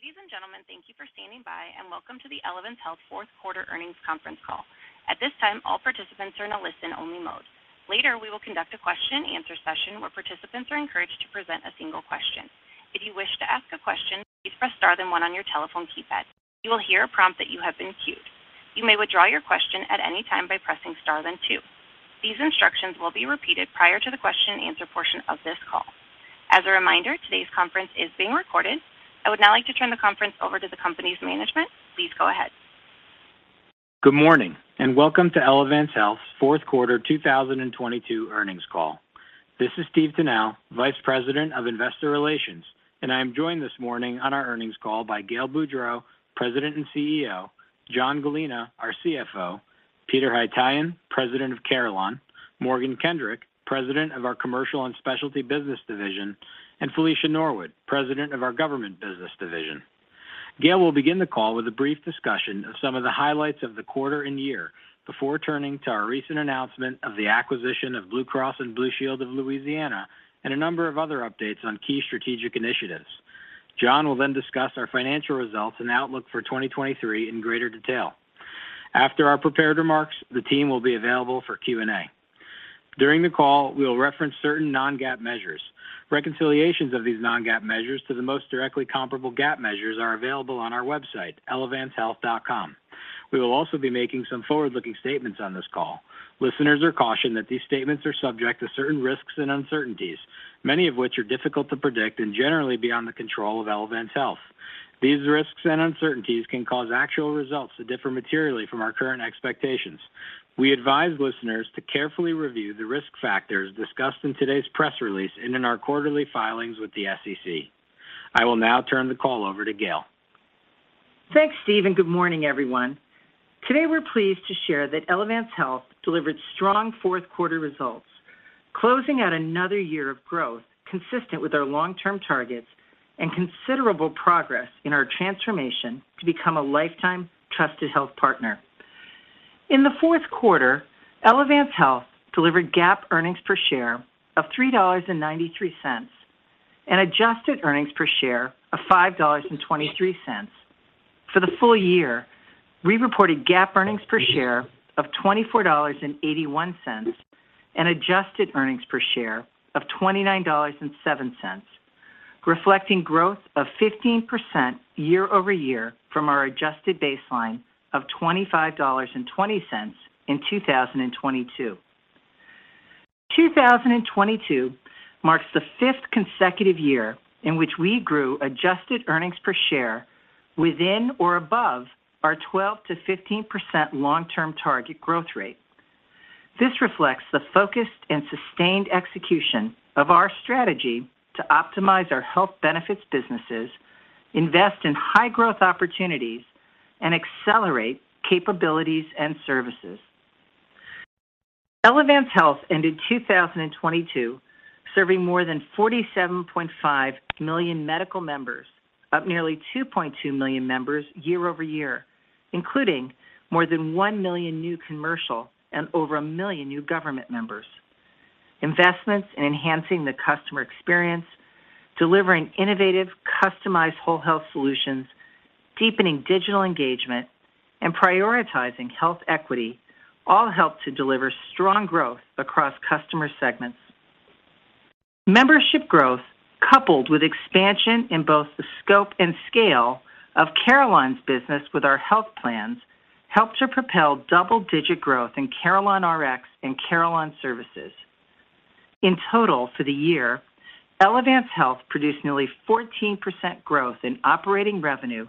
Ladies and gentlemen, thank you for standing by, and welcome to the Elevance Health fourth quarter earnings conference call. At this time, all participants are in a listen only mode. Later, we will conduct a question and answer session where participants are encouraged to present a single question. If you wish to ask a question, please press star then one on your telephone keypad. You will hear a prompt that you have been queued. You may withdraw your question at any time by pressing star then two. These instructions will be repeated prior to the question and answer portion of this call. As a reminder, today's conference is being recorded. I would now like to turn the conference over to the company's management. Please go ahead. Good morning. Welcome to Elevance Health's fourth quarter 2022 earnings call. This is Steve Tanal, Vice President of Investor Relations. I am joined this morning on our earnings call by Gail Boudreaux, President and CEO, John Gallina, our CFO, Peter Haytaian, President of Carelon, Morgan Kendrick, President of our Commercial and Specialty Business Division, and Felicia Norwood, President of our Government Business Division. Gail will begin the call with a brief discussion of some of the highlights of the quarter and year before turning to our recent announcement of the acquisition of Blue Cross and Blue Shield of Louisiana and a number of other updates on key strategic initiatives. Jon will discuss our financial results and outlook for 2023 in greater detail. After our prepared remarks, the team will be available for Q&A. During the call, we will reference certain non-GAAP measures. Reconciliations of these non-GAAP measures to the most directly comparable GAAP measures are available on our website, elevancehealth.com. We will also be making some forward-looking statements on this call. Listeners are cautioned that these statements are subject to certain risks and uncertainties, many of which are difficult to predict and generally beyond the control of Elevance Health. These risks and uncertainties can cause actual results to differ materially from our current expectations. We advise listeners to carefully review the risk factors discussed in today's press release and in our quarterly filings with the SEC. I will now turn the call over to Gail. Thanks, Steve. Good morning, everyone. Today, we're pleased to share that Elevance Health delivered strong fourth quarter results, closing out another year of growth consistent with our long-term targets and considerable progress in our transformation to become a lifetime trusted health partner. In the fourth quarter, Elevance Health delivered GAAP earnings per share of $3.93, and adjusted earnings per share of $5.23. For the full year, we reported GAAP earnings per share of $24.81, and adjusted earnings per share of $29.07, reflecting growth of 15% year-over-year from our adjusted baseline of $25.20 in 2022. 2022 marks the fifth consecutive year in which we grew adjusted earnings per share within or above our 12%-15% long-term target growth rate. This reflects the focused and sustained execution of our strategy to optimize our health benefits businesses, invest in high growth opportunities, and accelerate capabilities and services. Elevance Health ended 2022 serving more than 47.5 million medical members, up nearly 2.2 million members year-over-year, including more than 1 million new commercial and over 1 million new government members. Investments in enhancing the customer experience, delivering innovative, customized whole health solutions, deepening digital engagement, and prioritizing health equity all help to deliver strong growth across customer segments. Membership growth, coupled with expansion in both the scope and scale of Carelon's business with our health plans, helped to propel double-digit growth in CarelonRx and Carelon Services. In total for the year, Elevance Health produced nearly 14% growth in operating revenue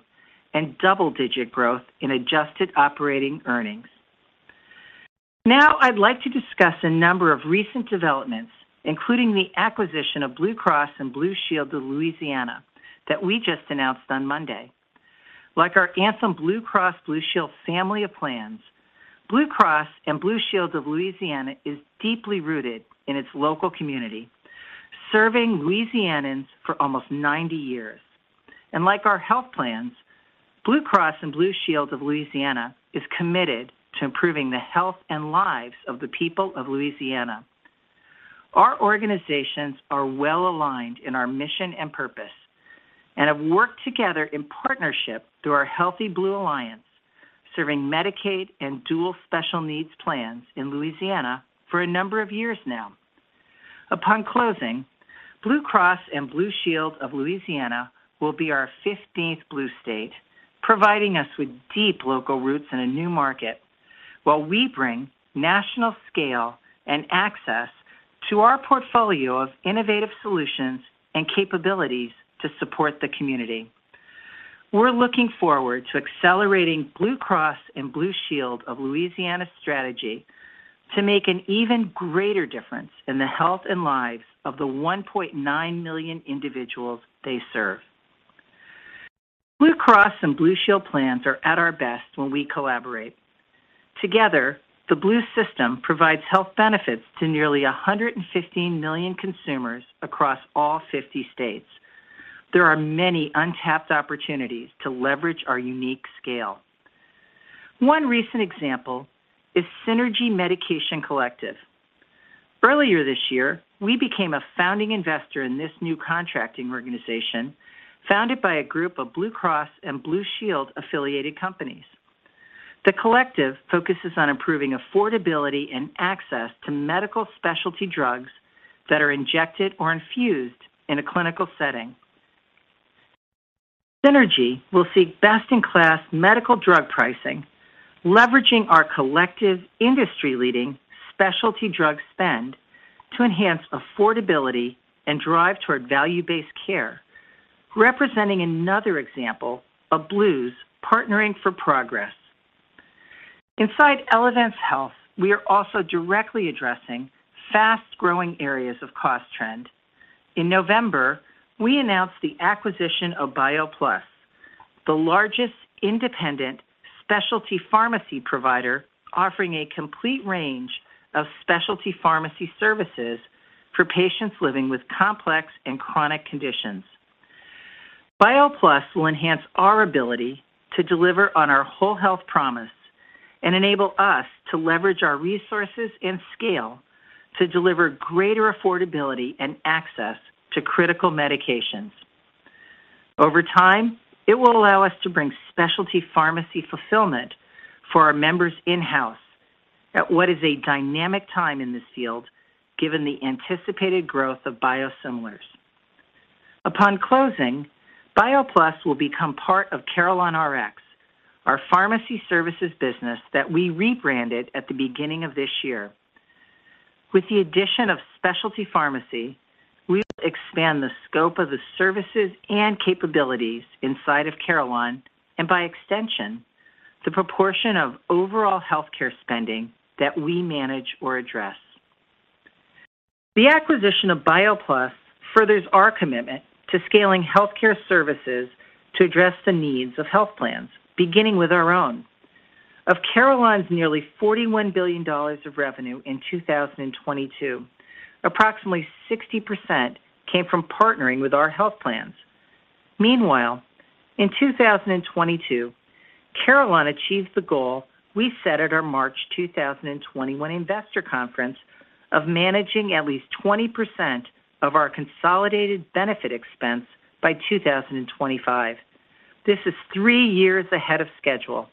and double-digit growth in adjusted operating earnings. I'd like to discuss a number of recent developments, including the acquisition of Blue Cross and Blue Shield of Louisiana that we just announced on Monday. Like our Anthem Blue Cross and Blue Shield family of plans, Blue Cross and Blue Shield of Louisiana is deeply rooted in its local community, serving Louisianans for almost 90 years. Like our health plans, Blue Cross and Blue Shield of Louisiana is committed to improving the health and lives of the people of Louisiana. Our organizations are well-aligned in our mission and purpose, and have worked together in partnership through our Healthy Blue Alliance, serving Medicaid and dual special needs plans in Louisiana for a number of years now. Upon closing, Blue Cross and Blue Shield of Louisiana will be our 15th Blue state, providing us with deep local roots in a new market, while we bring national scale and access to our portfolio of innovative solutions and capabilities to support the community. We're looking forward to accelerating Blue Cross and Blue Shield of Louisiana's strategy to make an even greater difference in the health and lives of the 1.9 million individuals they serve. Blue Cross and Blue Shield plans are at our best when we collaborate. Together, the Blue system provides health benefits to nearly 115 million consumers across all 50 states. There are many untapped opportunities to leverage our unique scale. One recent example is Synergie Medication Collective. Earlier this year, we became a founding investor in this new contracting organization founded by a group of Blue Cross and Blue Shield affiliated companies. The collective focuses on improving affordability and access to medical specialty drugs that are injected or infused in a clinical setting. Synergie will seek best-in-class medical drug pricing, leveraging our collective industry-leading specialty drug spend to enhance affordability and drive toward value-based care, representing another example of Blues partnering for progress. Inside Elevance Health, we are also directly addressing fast-growing areas of cost trend. In November, we announced the acquisition of BioPlus, the largest independent specialty pharmacy provider offering a complete range of specialty pharmacy services for patients living with complex and chronic conditions. BioPlus will enhance our ability to deliver on our Whole Health promise and enable us to leverage our resources and scale to deliver greater affordability and access to critical medications. Over time, it will allow us to bring specialty pharmacy fulfillment for our members in-house at what is a dynamic time in this field given the anticipated growth of biosimilars. Upon closing, BioPlus will become part of CarelonRx, our pharmacy services business that we rebranded at the beginning of this year. With the addition of specialty pharmacy, we will expand the scope of the services and capabilities inside of Carelon and by extension, the proportion of overall healthcare spending that we manage or address. The acquisition of BioPlus furthers our commitment to scaling healthcare services to address the needs of health plans, beginning with our own. Of Carelon's nearly $41 billion of revenue in 2022, approximately 60% came from partnering with our health plans. Meanwhile, in 2022, Carelon achieved the goal we set at our March 2021 investor conference of managing at least 20% of our consolidated benefit expense by 2025. This is three years ahead of schedule,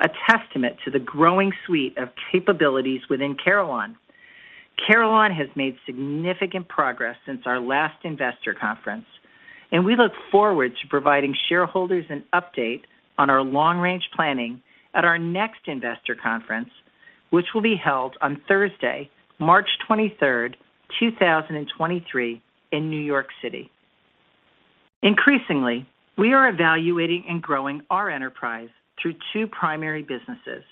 a testament to the growing suite of capabilities within Carelon. Carelon has made significant progress since our last investor conference. We look forward to providing shareholders an update on our long-range planning at our next investor conference, which will be held on Thursday, March 23rd, 2023 in New York City. Increasingly, we are evaluating and growing our enterprise through two primary businesses,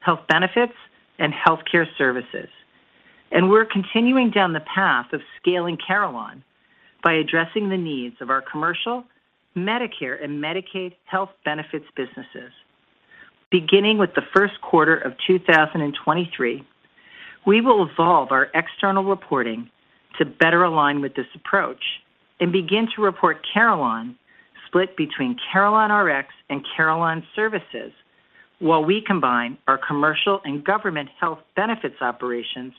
health benefits and healthcare services. We're continuing down the path of scaling Carelon by addressing the needs of our commercial Medicare and Medicaid health benefits businesses. Beginning with the first quarter of 2023, we will evolve our external reporting to better align with this approach and begin to report Carelon split between CarelonRx and Carelon Services while we combine our commercial and government health benefits operations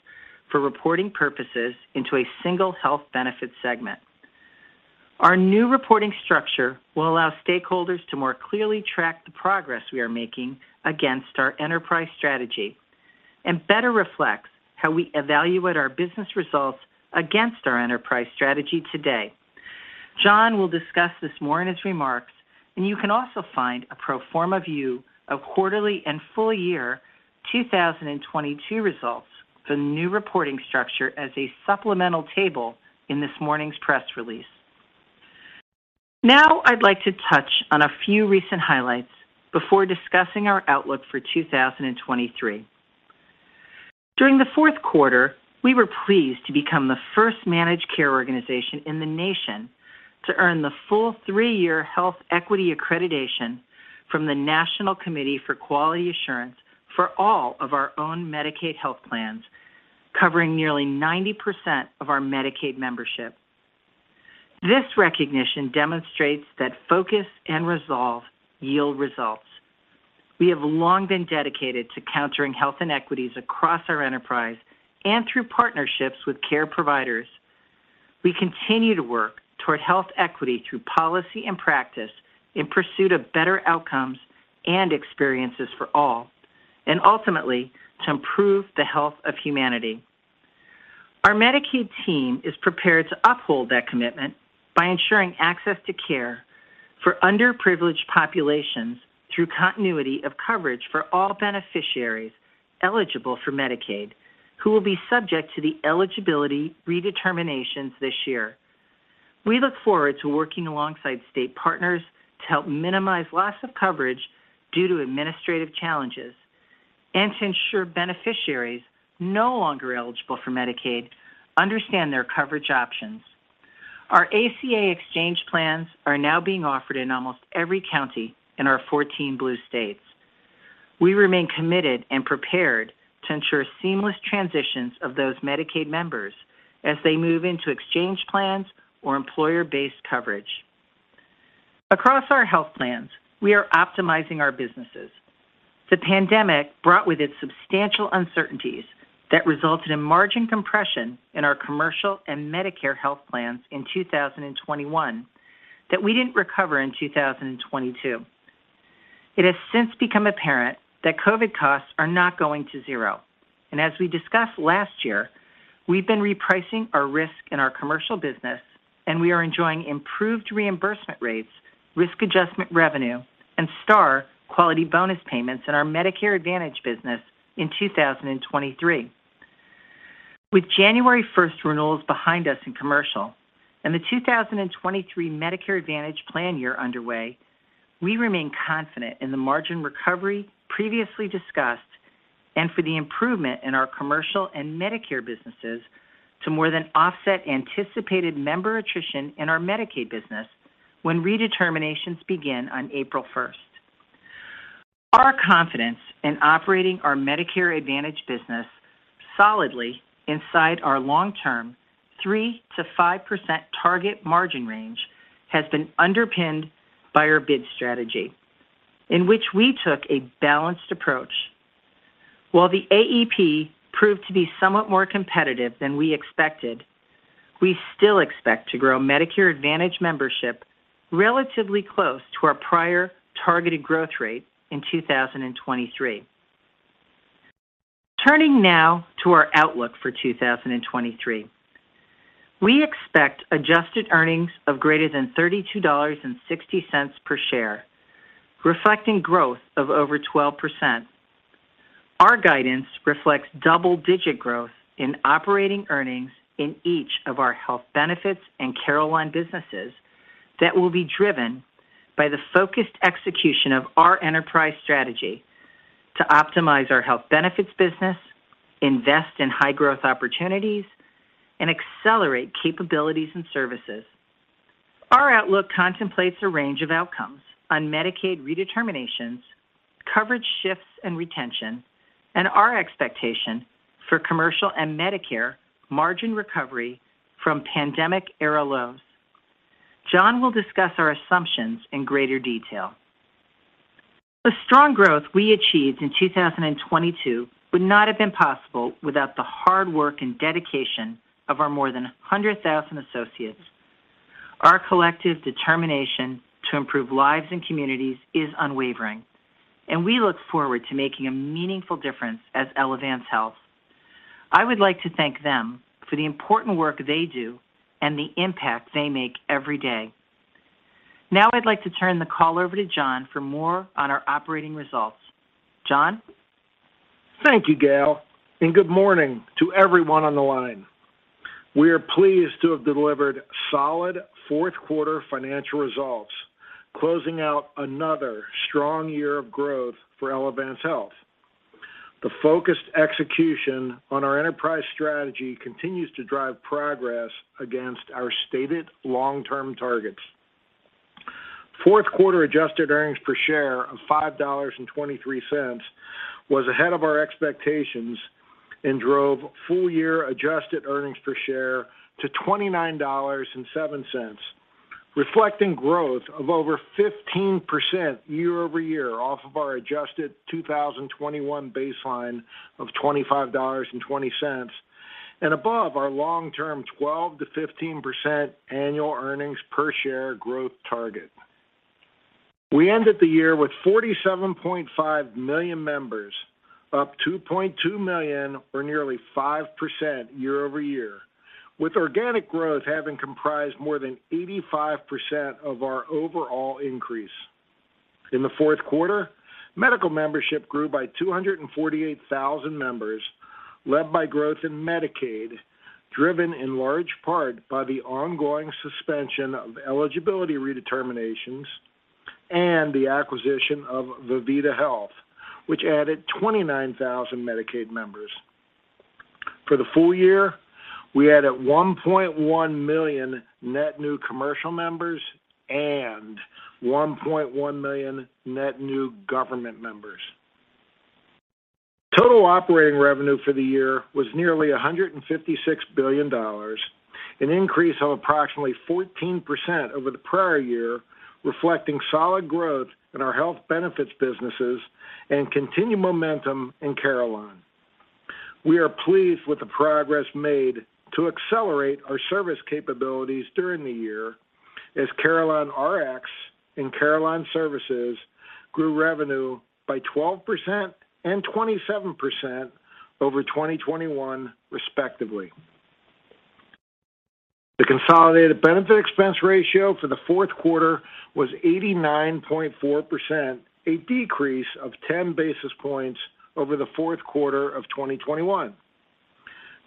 for reporting purposes into a single health benefit segment. Our new reporting structure will allow stakeholders to more clearly track the progress we are making against our enterprise strategy and better reflects how we evaluate our business results against our enterprise strategy today. John will discuss this more in his remarks. You can also find a pro forma view of quarterly and full year 2022 results, the new reporting structure as a supplemental table in this morning's press release. I'd like to touch on a few recent highlights before discussing our outlook for 2023. During the fourth quarter, we were pleased to become the first managed care organization in the nation to earn the full three-year Health Equity Accreditation from the National Committee for Quality Assurance for all of our own Medicaid health plans, covering nearly 90% of our Medicaid membership. This recognition demonstrates that focus and resolve yield results. We have long been dedicated to countering health inequities across our enterprise and through partnerships with care providers. We continue to work toward health equity through policy and practice in pursuit of better outcomes and experiences for all, and ultimately to improve the health of humanity. Our Medicaid team is prepared to uphold that commitment by ensuring access to care for underprivileged populations through continuity of coverage for all beneficiaries eligible for Medicaid who will be subject to the eligibility redeterminations this year. We look forward to working alongside state partners to help minimize loss of coverage due to administrative challenges and to ensure beneficiaries no longer eligible for Medicaid understand their coverage options. Our ACA exchange plans are now being offered in almost every county in our 14 Blue States. We remain committed and prepared to ensure seamless transitions of those Medicaid members as they move into exchange plans or employer-based coverage. Across our health plans, we are optimizing our businesses. The pandemic brought with it substantial uncertainties that resulted in margin compression in our commercial and Medicare health plans in 2021 that we didn't recover in 2022. It has since become apparent that COVID costs are not going to zero, and as we discussed last year, we've been repricing our risk in our commercial business and we are enjoying improved reimbursement rates, risk adjustment revenue, and STAR quality bonus payments in our Medicare Advantage business in 2023. With January 1st renewals behind us in commercial and the 2023 Medicare Advantage plan year underway, we remain confident in the margin recovery previously discussed and for the improvement in our commercial and Medicare businesses to more than offset anticipated member attrition in our Medicaid business when redeterminations begin on April 1st. Our confidence in operating our Medicare Advantage business solidly inside our long-term 3%-5% target margin range has been underpinned by our bid strategy in which we took a balanced approach. While the AEP proved to be somewhat more competitive than we expected, we still expect to grow Medicare Advantage membership relatively close to our prior targeted growth rate in 2023. Turning now to our outlook for 2023. We expect adjusted earnings of greater than $32.60 per share, reflecting growth of over 12%. Our guidance reflects double-digit growth in operating earnings in each of our health benefits and Carelon businesses that will be driven by the focused execution of our enterprise strategy to optimize our health benefits business, invest in high growth opportunities, and accelerate capabilities and services. Our outlook contemplates a range of outcomes on Medicaid redeterminations, coverage shifts and retention, and our expectation for commercial and Medicare margin recovery from pandemic era lows. John will discuss our assumptions in greater detail. The strong growth we achieved in 2022 would not have been possible without the hard work and dedication of our more than 100,000 associates. Our collective determination to improve lives and communities is unwavering, and we look forward to making a meaningful difference as Elevance Health. I would like to thank them for the important work they do and the impact they make every day. Now I'd like to turn the call over to John for more on our operating results. John? Thank you, Gail. Good morning to everyone on the line. We are pleased to have delivered solid fourth quarter financial results, closing out another strong year of growth for Elevance Health. The focused execution on our enterprise strategy continues to drive progress against our stated long-term targets. Fourth quarter adjusted earnings per share of $5.23 was ahead of our expectations and drove full year adjusted earnings per share to $29.07, reflecting growth of over 15% year-over-year off of our adjusted 2021 baseline of $25.20 and above our long-term 12%-15% annual earnings per share growth target. We ended the year with 47.5 million members, up 2.2 million or nearly 5% year-over-year, with organic growth having comprised more than 85% of our overall increase. In the fourth quarter, medical membership grew by 248,000 members, led by growth in Medicaid, driven in large part by the ongoing suspension of eligibility redeterminations and the acquisition of Vivida Health, which added 29,000 Medicaid members. For the full year, we added 1.1 million net new commercial members and 1.1 million net new government members. Total operating revenue for the year was nearly $156 billion, an increase of approximately 14% over the prior year, reflecting solid growth in our health benefits businesses and continued momentum in Carelon. We are pleased with the progress made to accelerate our service capabilities during the year as CarelonRx and Carelon Services grew revenue by 12% and 27% over 2021, respectively. The consolidated benefit expense ratio for the fourth quarter was 89.4%, a decrease of 10 basis points over the fourth quarter of 2021.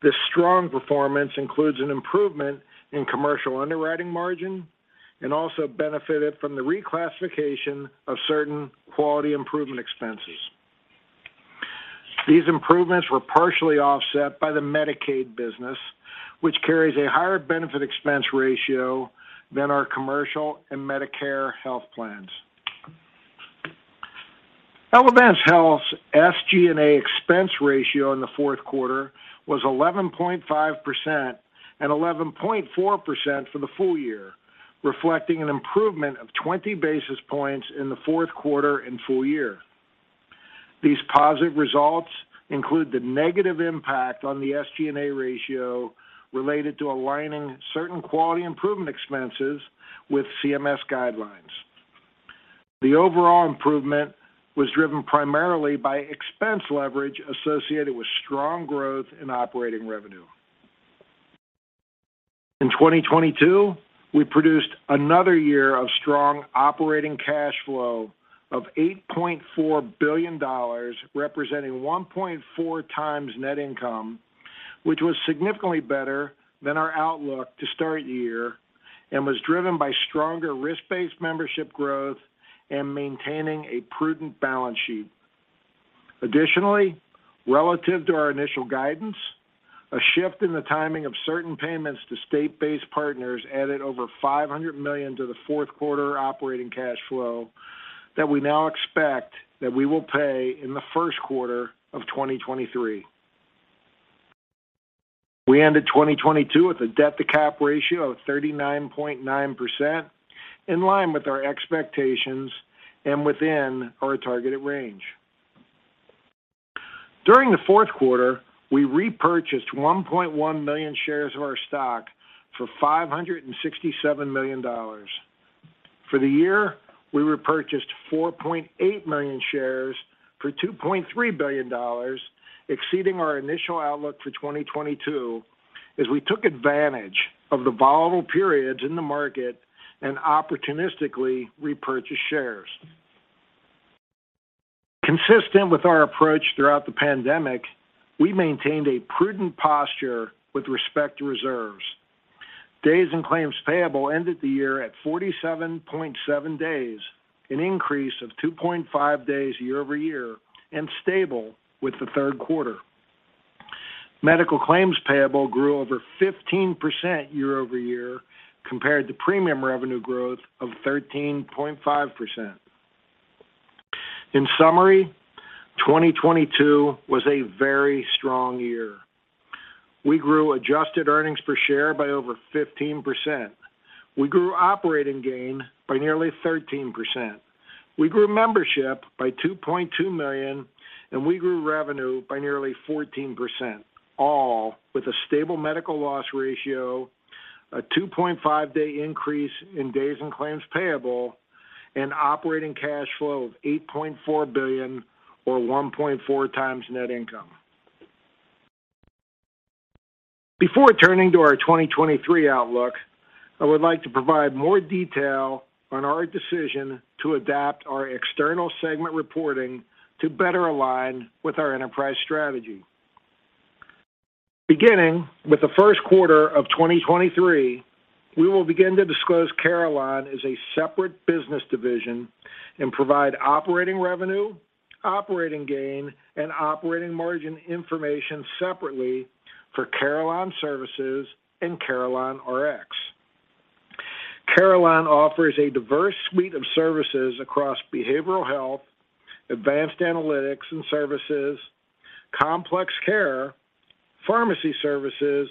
This strong performance includes an improvement in commercial underwriting margin and also benefited from the reclassification of certain quality improvement expenses. These improvements were partially offset by the Medicaid business, which carries a higher benefit expense ratio than our commercial and Medicare health plans. Elevance Health's SG&A expense ratio in the fourth quarter was 11.5% and 11.4% for the full year, reflecting an improvement of 20 basis points in the fourth quarter and full year. These positive results include the negative impact on the SG&A ratio related to aligning certain quality improvement expenses with CMS guidelines. The overall improvement was driven primarily by expense leverage associated with strong growth in operating revenue. In 2022, we produced another year of strong operating cash flow of $8.4 billion, representing 1.4x net income, which was significantly better than our outlook to start the year and was driven by stronger risk-based membership growth and maintaining a prudent balance sheet. Relative to our initial guidance, a shift in the timing of certain payments to state-based partners added over $500 million to the fourth quarter operating cash flow that we now expect that we will pay in the first quarter of 2023. We ended 2022 with a debt-to-cap ratio of 39.9% in line with our expectations and within our targeted range. During the fourth quarter, we repurchased 1.1 million shares of our stock for $567 million. For the year, we repurchased 4.8 million shares for $2.3 billion, exceeding our initial outlook for 2022 as we took advantage of the volatile periods in the market and opportunistically repurchased shares. Consistent with our approach throughout the pandemic, we maintained a prudent posture with respect to reserves. Days in claims payable ended the year at 47.7 days, an increase of 2.5 days year-over-year and stable with the third quarter. Medical claims payable grew over 15% year-over-year compared to premium revenue growth of 13.5%. In summary, 2022 was a very strong year. We grew adjusted earnings per share by over 15%. We grew operating gain by nearly 13%. We grew membership by 2.2 million, and we grew revenue by nearly 14%, all with a stable medical loss ratio, a 2.5-day increase in days in claims payable, and operating cash flow of $8.4 billion or 1.4x net income. Before turning to our 2023 outlook, I would like to provide more detail on our decision to adapt our external segment reporting to better align with our enterprise strategy. Beginning with the first quarter of 2023, we will begin to disclose Carelon as a separate business division and provide operating revenue, operating gain, and operating margin information separately for Carelon Services and CarelonRx. Carelon offers a diverse suite of services across behavioral health, advanced analytics and services, complex care, pharmacy services,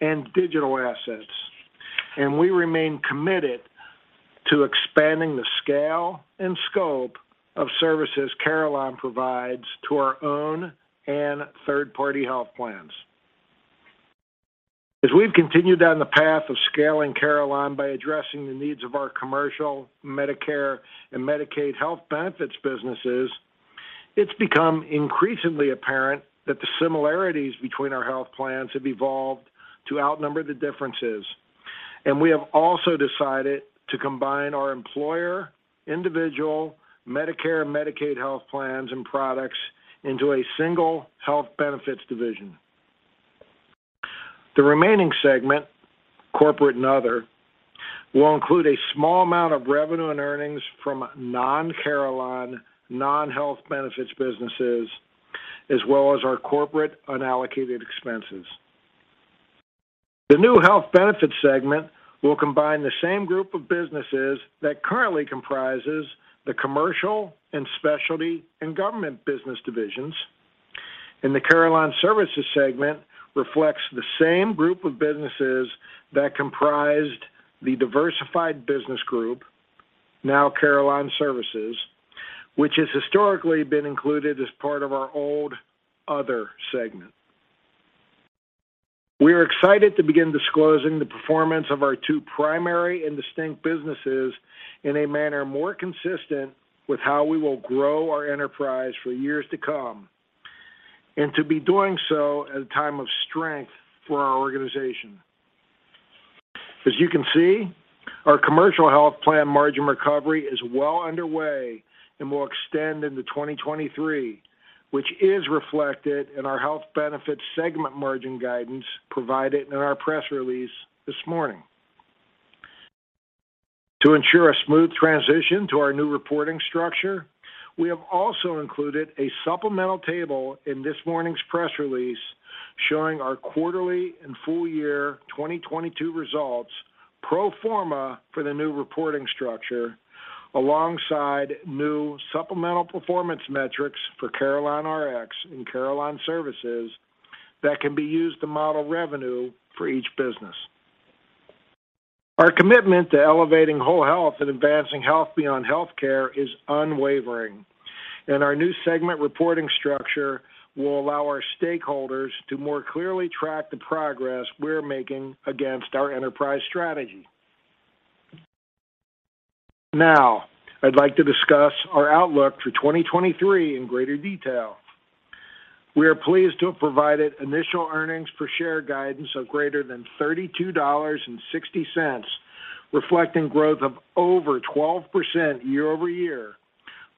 and digital assets. We remain committed to expanding the scale and scope of services Carelon provides to our own and third-party health plans. As we've continued down the path of scaling Carelon by addressing the needs of our commercial Medicare and Medicaid health benefits businesses, it's become increasingly apparent that the similarities between our health plans have evolved to outnumber the differences. We have also decided to combine our employer, individual, Medicare, Medicaid health plans and products into a single health benefits division. The remaining segment, corporate and other, will include a small amount of revenue and earnings from non-Carelon, non-health benefits businesses, as well as our corporate unallocated expenses. The new health benefits segment will combine the same group of businesses that currently comprises the commercial and specialty and government business divisions, and the Carelon Services segment reflects the same group of businesses that comprised the diversified business group, now Carelon Services, which has historically been included as part of our old other segment. We are excited to begin disclosing the performance of our two primary and distinct businesses in a manner more consistent with how we will grow our enterprise for years to come, and to be doing so at a time of strength for our organization. As you can see, our commercial health plan margin recovery is well underway and will extend into 2023, which is reflected in our health benefits segment margin guidance provided in our press release this morning. To ensure a smooth transition to our new reporting structure, we have also included a supplemental table in this morning's press release showing our quarterly and full year 2022 results pro forma for the new reporting structure alongside new supplemental performance metrics for CarelonRx and Carelon Services that can be used to model revenue for each business. Our commitment to elevating whole health and advancing health beyond healthcare is unwavering, and our new segment reporting structure will allow our stakeholders to more clearly track the progress we're making against our enterprise strategy. Now, I'd like to discuss our outlook for 2023 in greater detail. We are pleased to have provided initial earnings per share guidance of greater than $32.60, reflecting growth of over 12% year-over-year,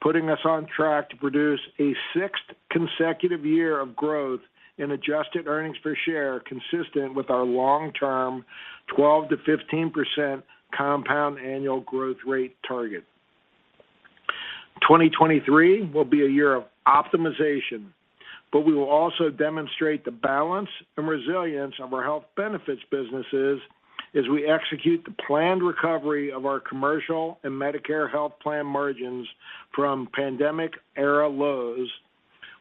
putting us on track to produce a sixth consecutive year of growth in adjusted earnings per share, consistent with our long-term 12%-15% compound annual growth rate target. 2023 will be a year of optimization, but we will also demonstrate the balance and resilience of our health benefits businesses as we execute the planned recovery of our commercial and Medicare health plan margins from pandemic era lows,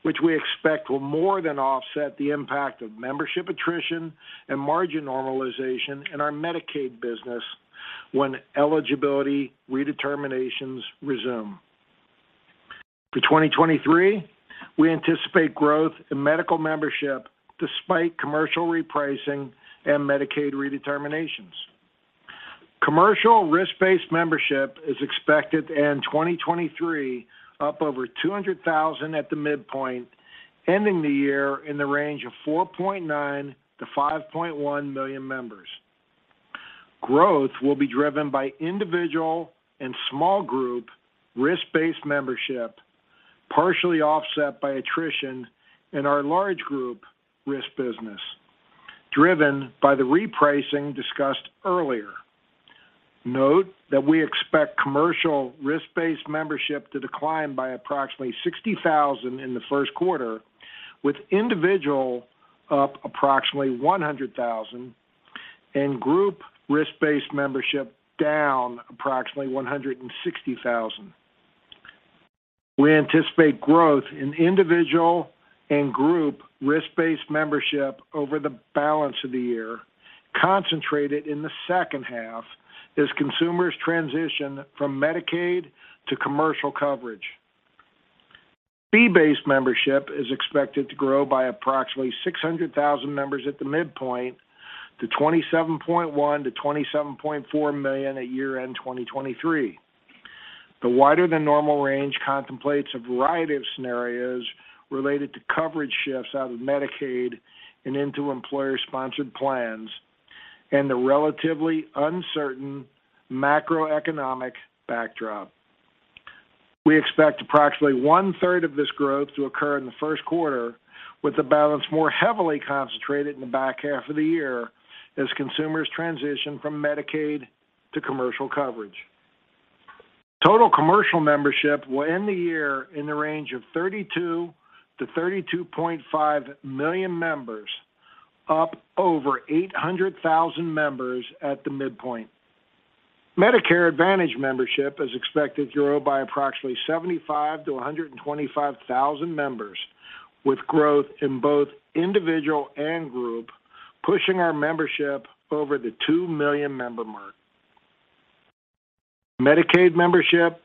which we expect will more than offset the impact of membership attrition and margin normalization in our Medicaid business when eligibility redeterminations resume. For 2023, we anticipate growth in medical membership despite commercial repricing and Medicaid redeterminations. Commercial risk-based membership is expected to end 2023 up over 200,000 at the midpoint, ending the year in the range of 4.9 million-5.1 million members. Growth will be driven by individual and small group risk-based membership, partially offset by attrition in our large group risk business, driven by the repricing discussed earlier. Note that we expect commercial risk-based membership to decline by approximately 60,000 in the first quarter, with individual up approximately 100,000 and group risk-based membership down approximately 160,000. We anticipate growth in individual and group risk-based membership over the balance of the year, concentrated in the second half as consumers transition from Medicaid to commercial coverage. Fee-based membership is expected to grow by approximately 600,000 members at the midpoint to 27.1 million-27.4 million at year-end 2023. The wider than normal range contemplates a variety of scenarios related to coverage shifts out of Medicaid and into employer-sponsored plans and the relatively uncertain macroeconomic backdrop. We expect approximately 1/3 of this growth to occur in the first quarter, with the balance more heavily concentrated in the back half of the year as consumers transition from Medicaid to commercial coverage. Total commercial membership will end the year in the range of 32 million-32.5 million members, up over 800,000 members at the midpoint. Medicare Advantage membership is expected to grow by approximately 75,000-125,000 members, with growth in both individual and group, pushing our membership over the 2 million member mark. Medicaid membership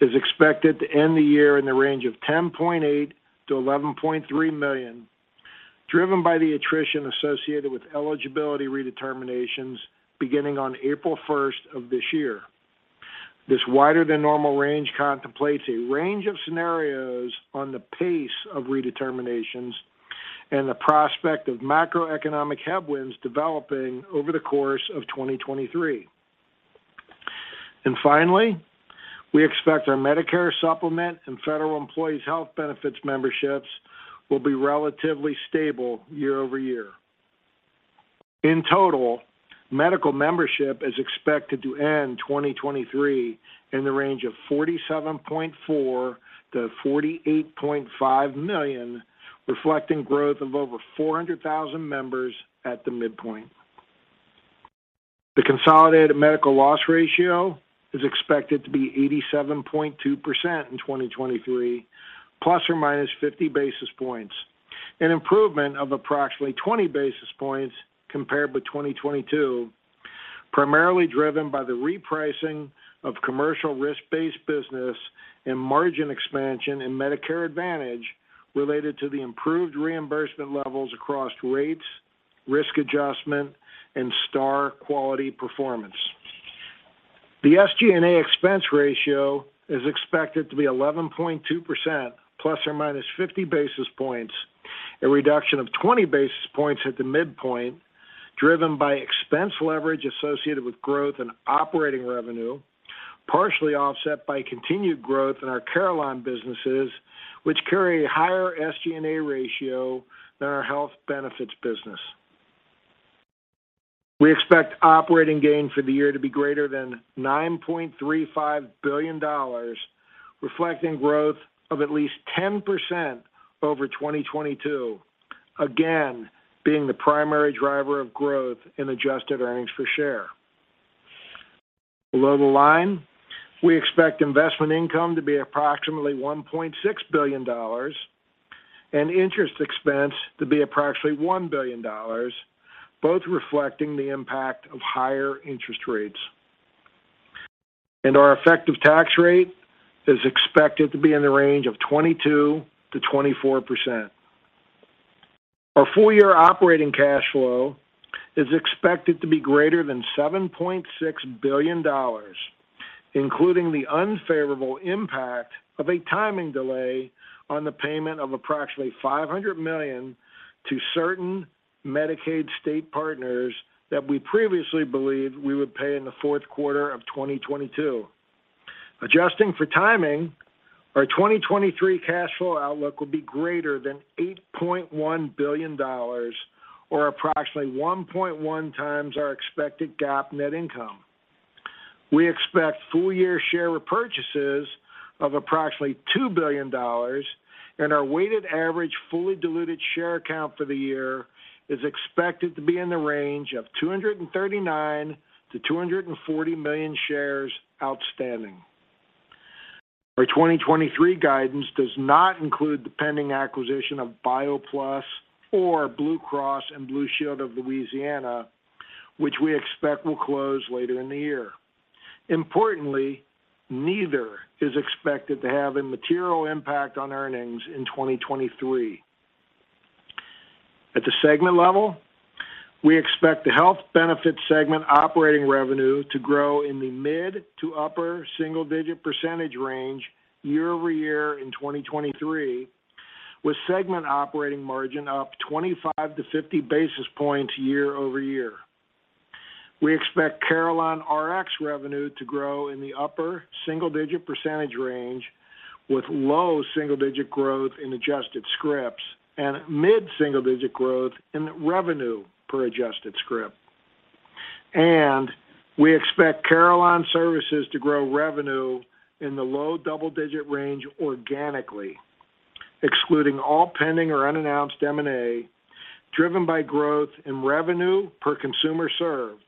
is expected to end the year in the range of 10.8 million-11.3 million, driven by the attrition associated with eligibility redeterminations beginning on April 1st of this year. This wider than normal range contemplates a range of scenarios on the pace of redeterminations and the prospect of macroeconomic headwinds developing over the course of 2023. Finally, we expect our Medicare supplement and Federal Employees Health Benefits memberships will be relatively stable year-over-year. In total, medical membership is expected to end 2023 in the range of 47.4 million-48.5 million, reflecting growth of over 400,000 members at the midpoint. The consolidated medical loss ratio is expected to be 87.2% in 2023, ±50 basis points, an improvement of approximately 20 basis points compared with 2022, primarily driven by the repricing of commercial risk-based business and margin expansion in Medicare Advantage related to the improved reimbursement levels across rates, risk adjustment, and STAR quality performance. The SG&A expense ratio is expected to be 11.2% ±50 basis points, a reduction of 20 basis points at the midpoint, driven by expense leverage associated with growth in operating revenue, partially offset by continued growth in our Carelon businesses, which carry a higher SG&A ratio than our health benefits business. We expect operating gain for the year to be greater than $9.35 billion, reflecting growth of at least 10% over 2022, again, being the primary driver of growth in adjusted earnings per share. Below the line, we expect investment income to be approximately $1.6 billion and interest expense to be approximately $1 billion, both reflecting the impact of higher interest rates. Our effective tax rate is expected to be in the range of 22%-24%. Our full year operating cash flow is expected to be greater than $7.6 billion, including the unfavorable impact of a timing delay on the payment of approximately $500 million to certain Medicaid state partners that we previously believed we would pay in the fourth quarter of 2022. Adjusting for timing, our 2023 cash flow outlook will be greater than $8.1 billion or approximately 1.1x our expected GAAP net income. We expect full year share repurchases of approximately $2 billion, and our weighted average fully diluted share count for the year is expected to be in the range of 239 million-240 million shares outstanding. Our 2023 guidance does not include the pending acquisition of BioPlus or Blue Cross and Blue Shield of Louisiana, which we expect will close later in the year. Importantly, neither is expected to have a material impact on earnings in 2023. At the segment level, we expect the health benefit segment operating revenue to grow in the mid to upper single-digit percentage range year-over-year in 2023, with segment operating margin up 25-50 basis points year-over-year. We expect CarelonRx revenue to grow in the upper single-digit % range with low single-digit growth in adjusted scripts and mid single-digit growth in revenue per adjusted script. We expect Carelon Services to grow revenue in the low double-digit range organically, excluding all pending or unannounced M&A, driven by growth in revenue per consumer served,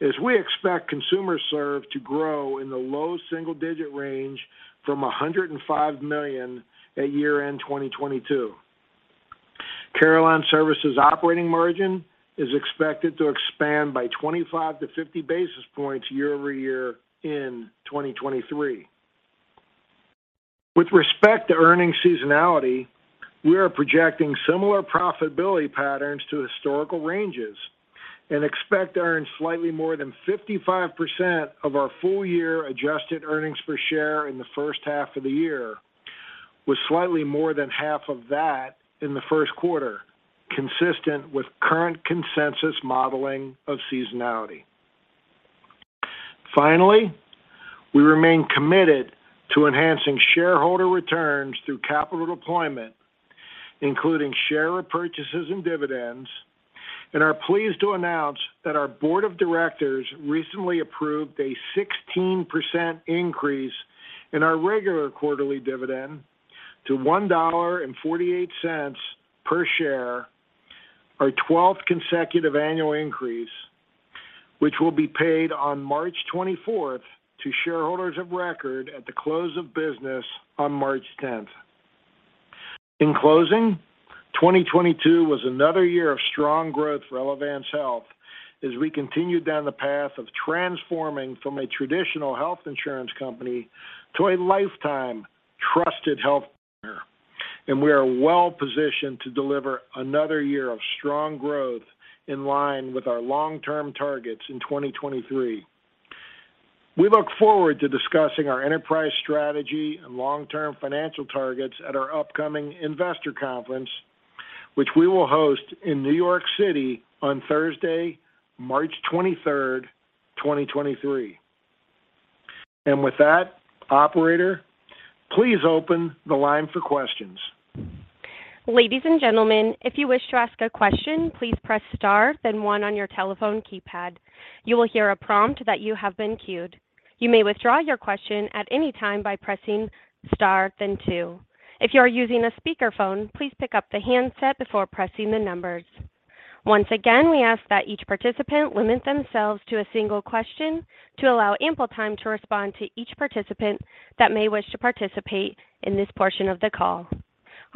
as we expect consumers served to grow in the low single-digit range from $105 million at year-end 2022. Carelon Services operating margin is expected to expand by 25-50 basis points year-over-year in 2023. With respect to earnings seasonality, we are projecting similar profitability patterns to historical ranges and expect to earn slightly more than 55% of our full year adjusted earnings per share in the first half of the year, with slightly more than half of that in the first quarter, consistent with current consensus modeling of seasonality. Finally, we remain committed to enhancing shareholder returns through capital deployment, including share repurchases and dividends, and are pleased to announce that our board of directors recently approved a 16% increase in our regular quarterly dividend to $1.48 per share, our 12th consecutive annual increase, which will be paid on March 24th to shareholders of record at the close of business on March 10th. In closing, 2022 was another year of strong growth for Elevance Health as we continued down the path of transforming from a traditional health insurance company to a lifetime trusted health partner, and we are well positioned to deliver another year of strong growth in line with our long-term targets in 2023. We look forward to discussing our enterprise strategy and long-term financial targets at our upcoming investor conference, which we will host in New York City on Thursday, March 23rd, 2023. With that, operator, please open the line for questions. Ladies and gentlemen, if you wish to ask a question, please press star, then one on your telephone keypad. You will hear a prompt that you have been queued. You may withdraw your question at any time by pressing star then two. If you are using a speakerphone, please pick up the handset before pressing the numbers. Once again, we ask that each participant limit themselves to a single question to allow ample time to respond to each participant that may wish to participate in this portion of the call.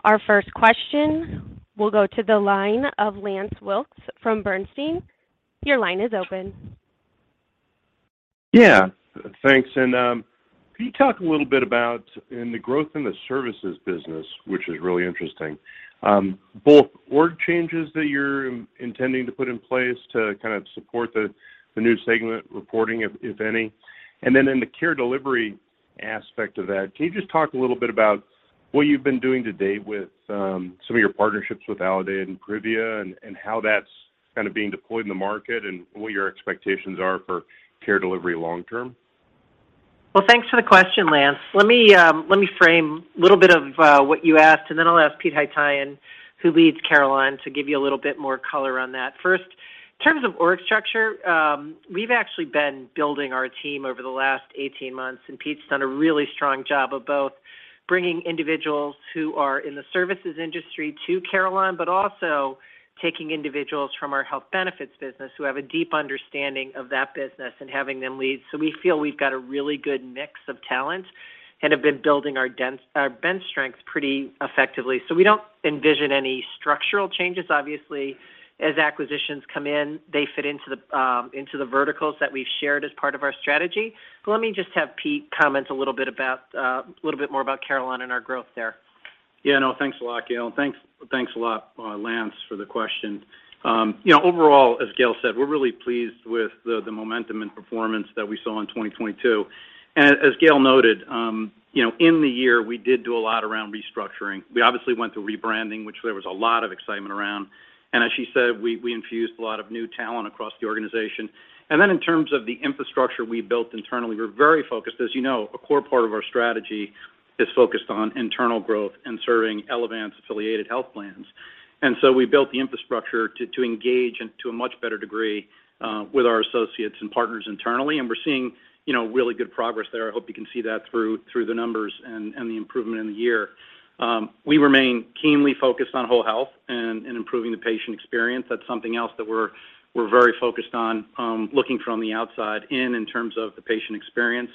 Our first question will go to the line of Lance Wilkes from Bernstein. Your line is open. Yeah. Thanks. Can you talk a little bit about in the growth in the services business, which is really interesting, both org changes that you're intending to put in place to kind of support the new segment reporting, if any. Then in the care delivery aspect of that, can you just talk a little bit about what you've been doing to date with some of your partnerships with Aledade and Privia and how that's kind of being deployed in the market and what your expectations are for care delivery long term? Well, thanks for the question, Lance. Let me frame a little bit of what you asked, and then I'll ask Pete Haytaian, who leads Carelon, to give you a little bit more color on that. First, terms of org structure, we've actually been building our team over the last 18 months, and Peter's done a really strong job of both bringing individuals who are in the services industry to Carelon, but also taking individuals from our health benefits business who have a deep understanding of that business and having them lead. We feel we've got a really good mix of talent and have been building our bench strength pretty effectively. We don't envision any structural changes. Obviously, as acquisitions come in, they fit into the verticals that we've shared as part of our strategy. Let me just have Pete comment a little bit about a little bit more about Carelon and our growth there. Yeah, no, thanks a lot, Gail. Thanks a lot, Lance, for the question. You know, overall, as Gail said, we're really pleased with the momentum and performance that we saw in 2022. As Gail noted, you know, in the year, we did do a lot around restructuring. We obviously went through rebranding, which there was a lot of excitement around. As she said, we infused a lot of new talent across the organization. In terms of the infrastructure we built internally, we're very focused. As you know, a core part of our strategy is focused on internal growth and serving Elevance affiliated health plans. We built the infrastructure to engage and to a much better degree with our associates and partners internally. We're seeing, you know, really good progress there. I hope you can see that through the numbers and the improvement in the year. We remain keenly focused on whole health and improving the patient experience. That's something else that we're very focused on, looking from the outside in terms of the patient experience.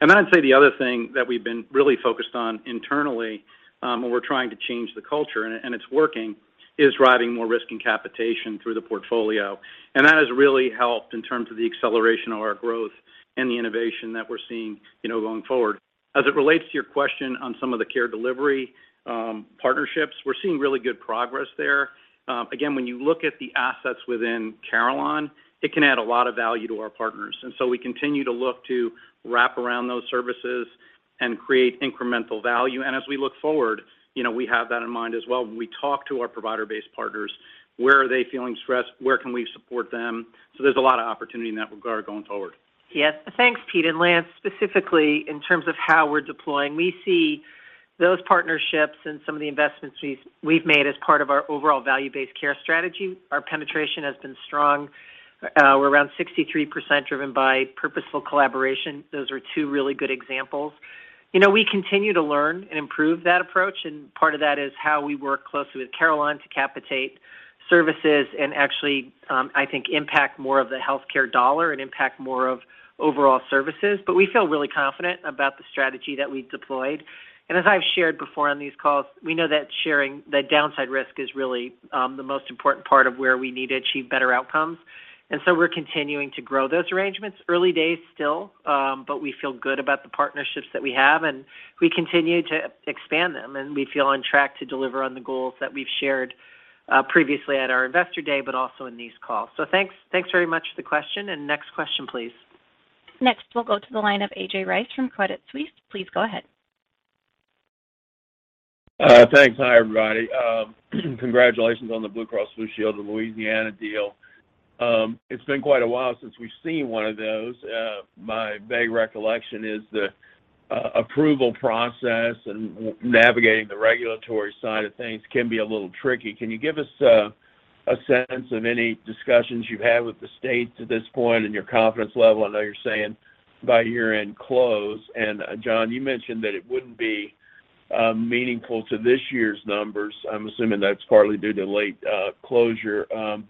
I'd say the other thing that we've been really focused on internally, when we're trying to change the culture, and it's working, is driving more risk and capitation through the portfolio. That has really helped in terms of the acceleration of our growth and the innovation that we're seeing, you know, going forward. As it relates to your question on some of the care delivery partnerships, we're seeing really good progress there. Again, when you look at the assets within Carelon, it can add a lot of value to our partners. We continue to look to wrap around those services and create incremental value. As we look forward, you know, we have that in mind as well. When we talk to our provider-based partners, where are they feeling stressed? Where can we support them? There's a lot of opportunity in that regard going forward. Yes. Thanks, Pete. Lance, specifically, in terms of how we're deploying, we see those partnerships and some of the investments we've made as part of our overall value-based care strategy. Our penetration has been strong. We're around 63% driven by purposeful collaboration. Those are two really good examples. You know, we continue to learn and improve that approach, and part of that is how we work closely with Carelon to capitate services and actually, I think impact more of the healthcare dollar and impact more of overall services. We feel really confident about the strategy that we deployed. As I've shared before on these calls, we know that sharing that downside risk is really the most important part of where we need to achieve better outcomes. We're continuing to grow those arrangements. Early days still. We feel good about the partnerships that we have, and we continue to expand them, and we feel on track to deliver on the goals that we've shared, previously at our Investor Day, but also in these calls. Thanks very much for the question. Next question, please. Next, we'll go to the line of A.J. Rice from Credit Suisse. Please go ahead. Thanks. Hi, everybody. Congratulations on the Blue Cross and Blue Shield of Louisiana deal. It's been quite a while since we've seen one of those. My vague recollection is the approval process and navigating the regulatory side of things can be a little tricky. Can you give us a sense of any discussions you've had with the state to this point and your confidence level? I know you're saying by year-end close. John, you mentioned that it wouldn't be meaningful to this year's numbers. I'm assuming that's partly due to late closure. Can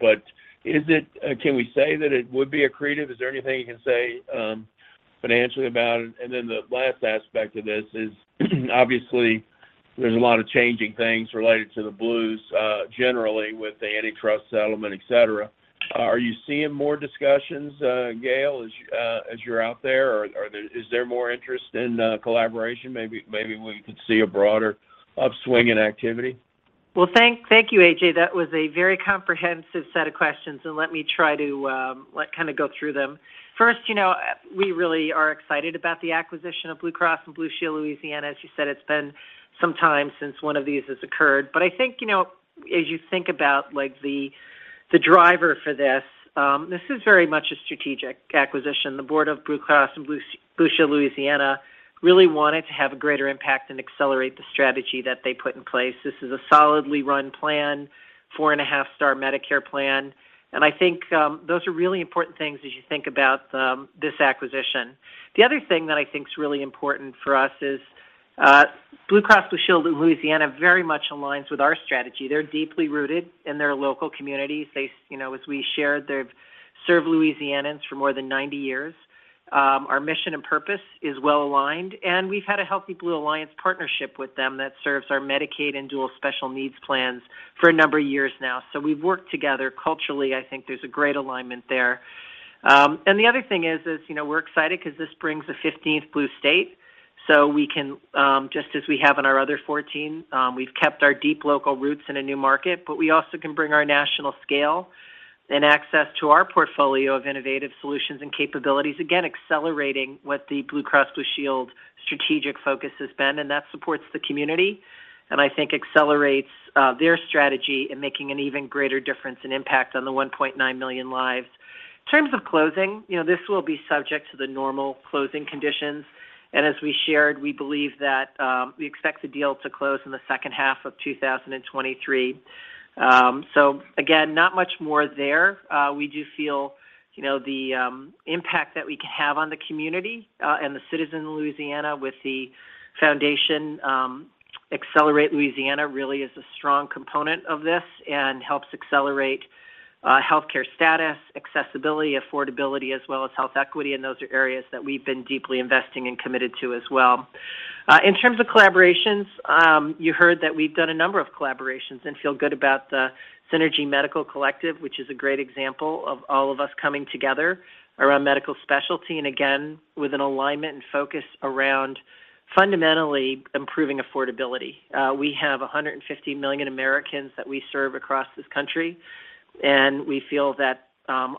we say that it would be accretive? Is there anything you can say financially about it? The last aspect to this is, obviously, there's a lot of changing things related to the Blues generally with the antitrust settlement, et cetera. Are you seeing more discussions, Gail, as you're out there? Is there more interest in collaboration? Maybe we could see a broader upswing in activity. Well, thank you, A.J. That was a very comprehensive set of questions, let me try to, like, kinda go through them. First, you know, we really are excited about the acquisition of Blue Cross and Blue Shield Louisiana. As you said, it's been some time since one of these has occurred. I think, you know, as you think about, like, the driver for this is very much a strategic acquisition. The board of Blue Cross and Blue Shield Louisiana really wanted to have a greater impact and accelerate the strategy that they put in place. This is a solidly run plan, 4.5 Star Medicare plan. I think, those are really important things as you think about, this acquisition. The other thing that I think is really important for us is, Blue Cross Blue Shield of Louisiana very much aligns with our strategy. They're deeply rooted in their local communities. You know, as we shared, they've served Louisianans for more than 90 years. Our mission and purpose is well-aligned, and we've had a Healthy Blue Alliance partnership with them that serves our Medicaid and dual special needs plans for a number of years now. We've worked together culturally. I think there's a great alignment there. The other thing is, you know, we're excited 'cause this brings a 15th blue state. We can, just as we have in our other 14, we've kept our deep local roots in a new market, but we also can bring our national scale and access to our portfolio of innovative solutions and capabilities, again, accelerating what the Blue Cross and Blue Shield strategic focus has been, and that supports the community. I think accelerates their strategy in making an even greater difference and impact on the 1.9 million lives. In terms of closing, you know, this will be subject to the normal closing conditions. As we shared, we believe that we expect the deal to close in the second half of 2023. Again, not much more there. We do feel, you know, the impact that we can have on the community and the citizen of Louisiana with the foundation, Accelerate Louisiana really is a strong component of this and helps accelerate healthcare status, accessibility, affordability, as well as health equity. Those are areas that we've been deeply investing and committed to as well. In terms of collaborations, you heard that we've done a number of collaborations and feel good about the Synergy Medical Collective, which is a great example of all of us coming together around medical specialty. Again, with an alignment and focus around fundamentally improving affordability. We have 150 million Americans that we serve across this country, and we feel that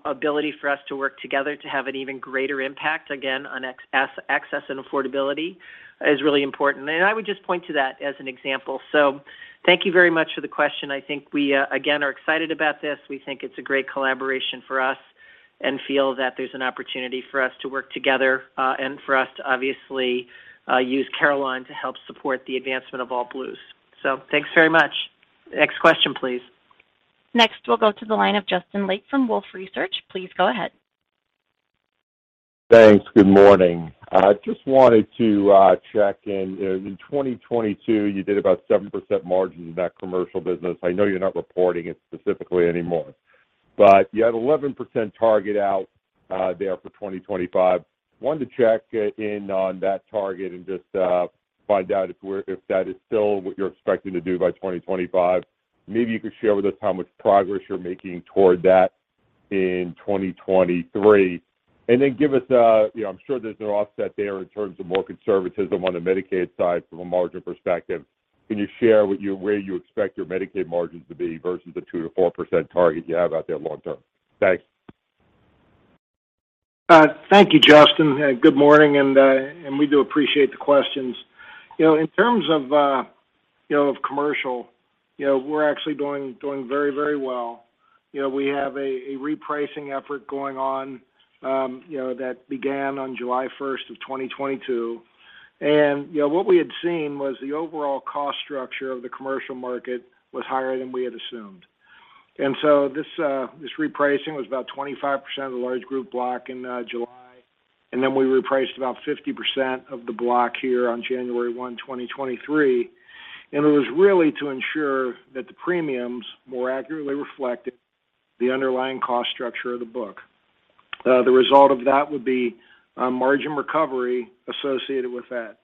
ability for us to work together to have an even greater impact, again, on access and affordability is really important. I would just point to that as an example. Thank you very much for the question. I think we, again, are excited about this. We think it's a great collaboration for us and feel that there's an opportunity for us to work together, and for us to obviously, use Carelon to help support the advancement of all Blues. Thanks very much. Next question, please. Next, we'll go to the line of Justin Lake from Wolfe Research. Please go ahead. Thanks. Good morning. Just wanted to check in. In 2022, you did about 7% margin in that commercial business. I know you're not reporting it specifically anymore, but you had 11% target out there for 2025. Wanted to check in on that target and just find out if that is still what you're expecting to do by 2025. Maybe you could share with us how much progress you're making toward that in 2023. You know, I'm sure there's an offset there in terms of more conservatism on the Medicaid side from a margin perspective. Can you share with where you expect your Medicaid margins to be versus the 2%-4% target you have out there long term? Thanks. Thank you, Justin. Good morning. We do appreciate the questions. You know, in terms of, you know, of commercial, you know, we're actually doing very, very well. You know, we have a repricing effort going on, you know, that began on July 1st, 2022. You know, what we had seen was the overall cost structure of the commercial market was higher than we had assumed. This repricing was about 25% of the large group block in July, then we repriced about 50% of the block here on January 1, 2023. It was really to ensure that the premiums more accurately reflected the underlying cost structure of the book. The result of that would be a margin recovery associated with that.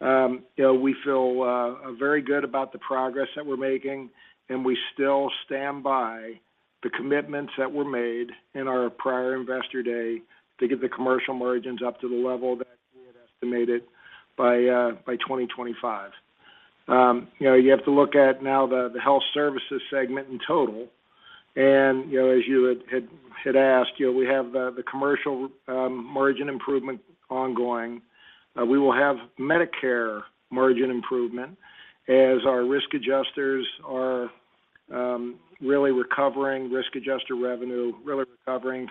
You know, we feel very good about the progress that we're making, and we still stand by the commitments that were made in our prior Investor Day to get the commercial margins up to the level that we had estimated by 2025. You know, you have to look at now the health services segment in total. You know, as you had asked, you know, we have the commercial margin improvement ongoing. We will have Medicare margin improvement as our risk adjusters are really recovering risk adjuster revenue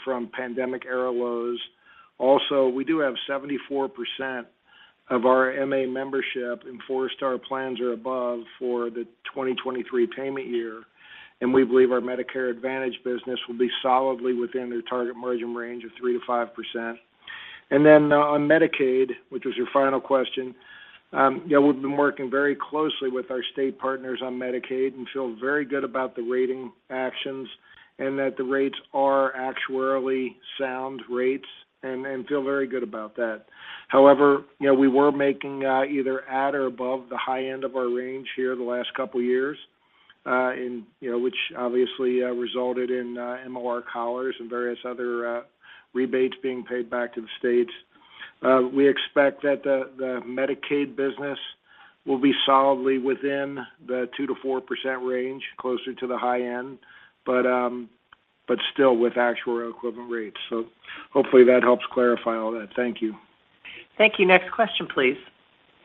from pandemic era lows. Also, we do have 74% of our MA membership in four-star plans or above for the 2023 payment year, and we believe our Medicare Advantage business will be solidly within the target margin range of 3%-5%. On Medicaid, which was your final question, you know, we've been working very closely with our state partners on Medicaid and feel very good about the rating actions and that the rates are actuarially sound rates and feel very good about that. However, you know, we were making either at or above the high end of our range here the last couple years, and, you know, which obviously resulted in MLR collars and various other rebates being paid back to the states. We expect that the Medicaid business will be solidly within the 2%-4% range, closer to the high end, but still with actual equivalent rates. Hopefully that helps clarify all that. Thank you. Thank you. Next question, please.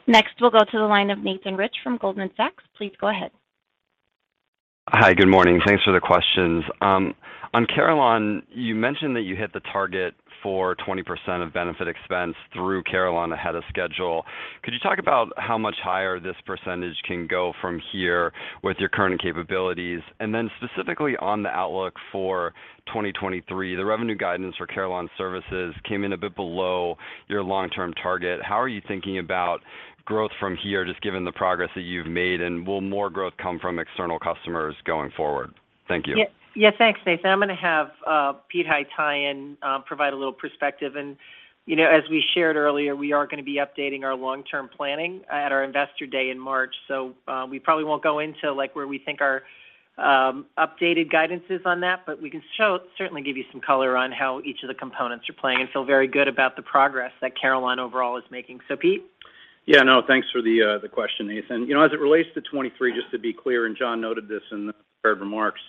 Next, we'll go to the line of Nathan Rich from Goldman Sachs. Please go ahead. Hi. Good morning. Thanks for the questions. On Carelon, you mentioned that you hit the target for 20% of benefit expense through Carelon ahead of schedule. Could you talk about how much higher this percentage can go from here with your current capabilities? Specifically on the outlook for 2023, the revenue guidance for Carelon services came in a bit below your long-term target. How are you thinking about growth from here, just given the progress that you've made, and will more growth come from external customers going forward? Thank you. Yeah. Yeah. Thanks, Nathan. I'm going to have Pete Haytaian provide a little perspective. You know, as we shared earlier, we are going to be updating our long-term planning at our Investor Day in March. We probably won't go into, like, where we think our updated guidance is on that, but we can certainly give you some color on how each of the components are playing and feel very good about the progress that Carelon overall is making. Pete? Thanks for the question, Nathan. You know, as it relates to 2023, just to be clear, John noted this in the prepared remarks.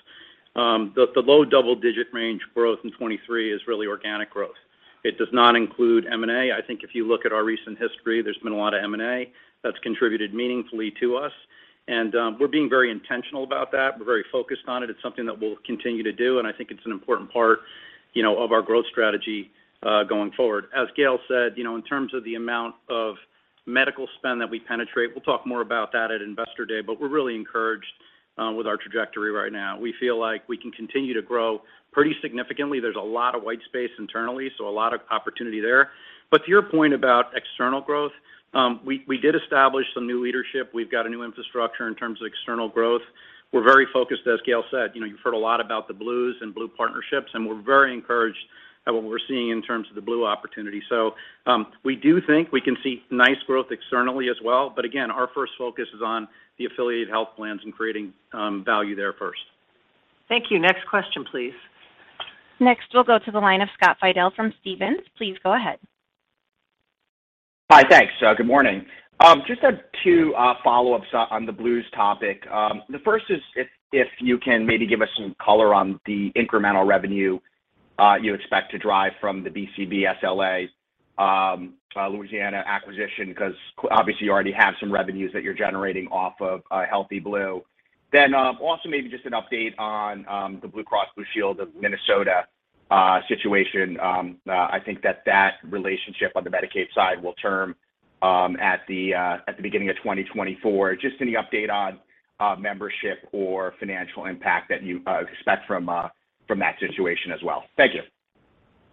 The low double-digit range growth in 2023 is really organic growth. It does not include M&A. I think if you look at our recent history, there's been a lot of M&A that's contributed meaningfully to us. We're being very intentional about that. We're very focused on it. It's something that we'll continue to do. I think it's an important part, you know, of our growth strategy going forward. As Gail said, you know, in terms of the amount of medical spend that we penetrate, we'll talk more about that at Investor Day. We're really encouraged with our trajectory right now. We feel like we can continue to grow pretty significantly. There's a lot of white space internally, so a lot of opportunity there. To your point about external growth, we did establish some new leadership. We've got a new infrastructure in terms of external growth. We're very focused, as Gail said. You know, you've heard a lot about the Blues and Blue partnerships, and we're very encouraged at what we're seeing in terms of the Blue opportunity. We do think we can see nice growth externally as well. Again, our first focus is on the affiliate health plans and creating, value there first. Thank you. Next question, please. Next, we'll go to the line of Scott Fidel from Stephens. Please go ahead. Hi. Thanks. Good morning. Just two follow-ups on the Blues topic. The first is if you can maybe give us some color on the incremental revenue you expect to drive from the BCBSLA Louisiana acquisition, 'cause obviously you already have some revenues that you're generating off of Healthy Blue. Also maybe just an update on the Blue Cross Blue Shield of Minnesota situation. I think that that relationship on the Medicaid side will term at the beginning of 2024. Just any update on membership or financial impact that you expect from that situation as well. Thank you.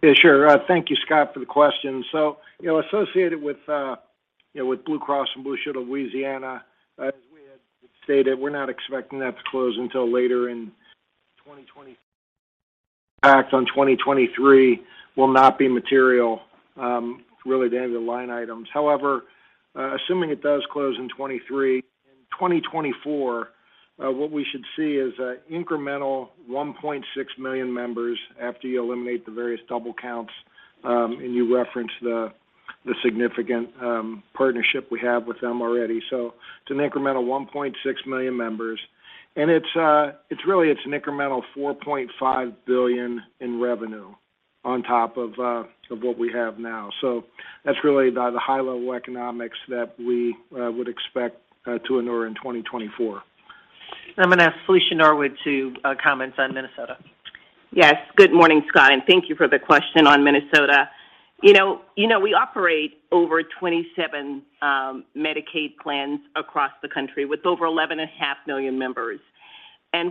Yeah, sure. Thank you, Scott, for the question. You know, associated with, you know, with Blue Cross and Blue Shield of Louisiana, as we had stated, we're not expecting that to close until later in 2023. Impact on 2023 will not be material, really to any of the line items. However, assuming it does close in 2023, in 2024, what we should see is incremental 1.6 million members after you eliminate the various double counts, and you reference the significant partnership we have with them already. It's an incremental 1.6 million members, and it's really it's an incremental $4.5 billion in revenue on top of what we have now. That's really the high-level economics that we would expect to endure in 2024. I'm gonna ask Felicia Norwood to comment on Minnesota. Yes. Good morning, Scott, thank you for the question on Minnesota. You know, we operate over 27 Medicaid plans across the country with over 11.5 million members.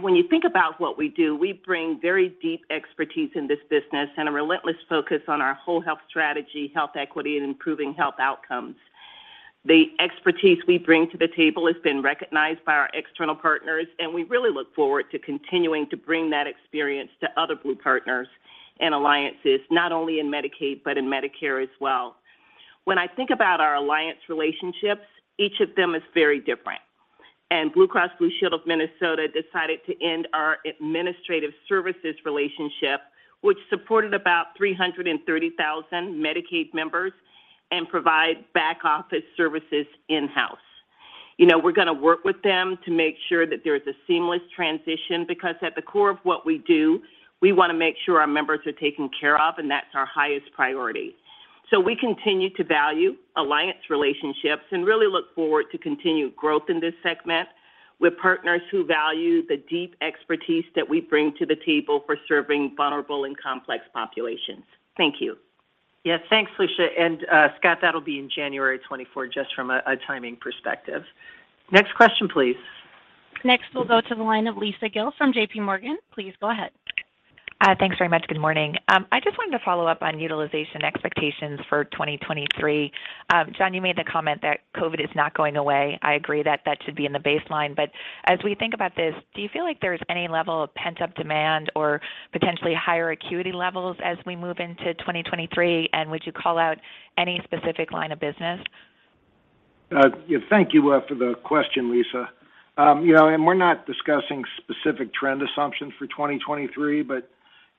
When you think about what we do, we bring very deep expertise in this business and a relentless focus on our whole health strategy, health equity, and improving health outcomes. The expertise we bring to the table has been recognized by our external partners, and we really look forward to continuing to bring that experience to other Blue partners and alliances, not only in Medicaid, but in Medicare as well. When I think about our alliance relationships, each of them is very different. Blue Cross Blue Shield of Minnesota decided to end our administrative services relationship, which supported about 330,000 Medicaid members, and provide back office services in-house. You know, we're gonna work with them to make sure that there is a seamless transition because at the core of what we do, we wanna make sure our members are taken care of, and that's our highest priority. We continue to value alliance relationships and really look forward to continued growth in this segment with partners who value the deep expertise that we bring to the table for serving vulnerable and complex populations. Thank you. Yes. Thanks, Felicia. Scott, that'll be in January 2024, just from a timing perspective. Next question, please. Next, we'll go to the line of Lisa Gill from JPMorgan. Please go ahead. Thanks very much. Good morning. I just wanted to follow up on utilization expectations for 2023. John, you made the comment that COVID is not going away. I agree that that should be in the baseline. As we think about this, do you feel like there's any level of pent-up demand or potentially higher acuity levels as we move into 2023? Would you call out any specific line of business? Yeah, thank you for the question, Lisa. You know, we're not discussing specific trend assumptions for 2023, but,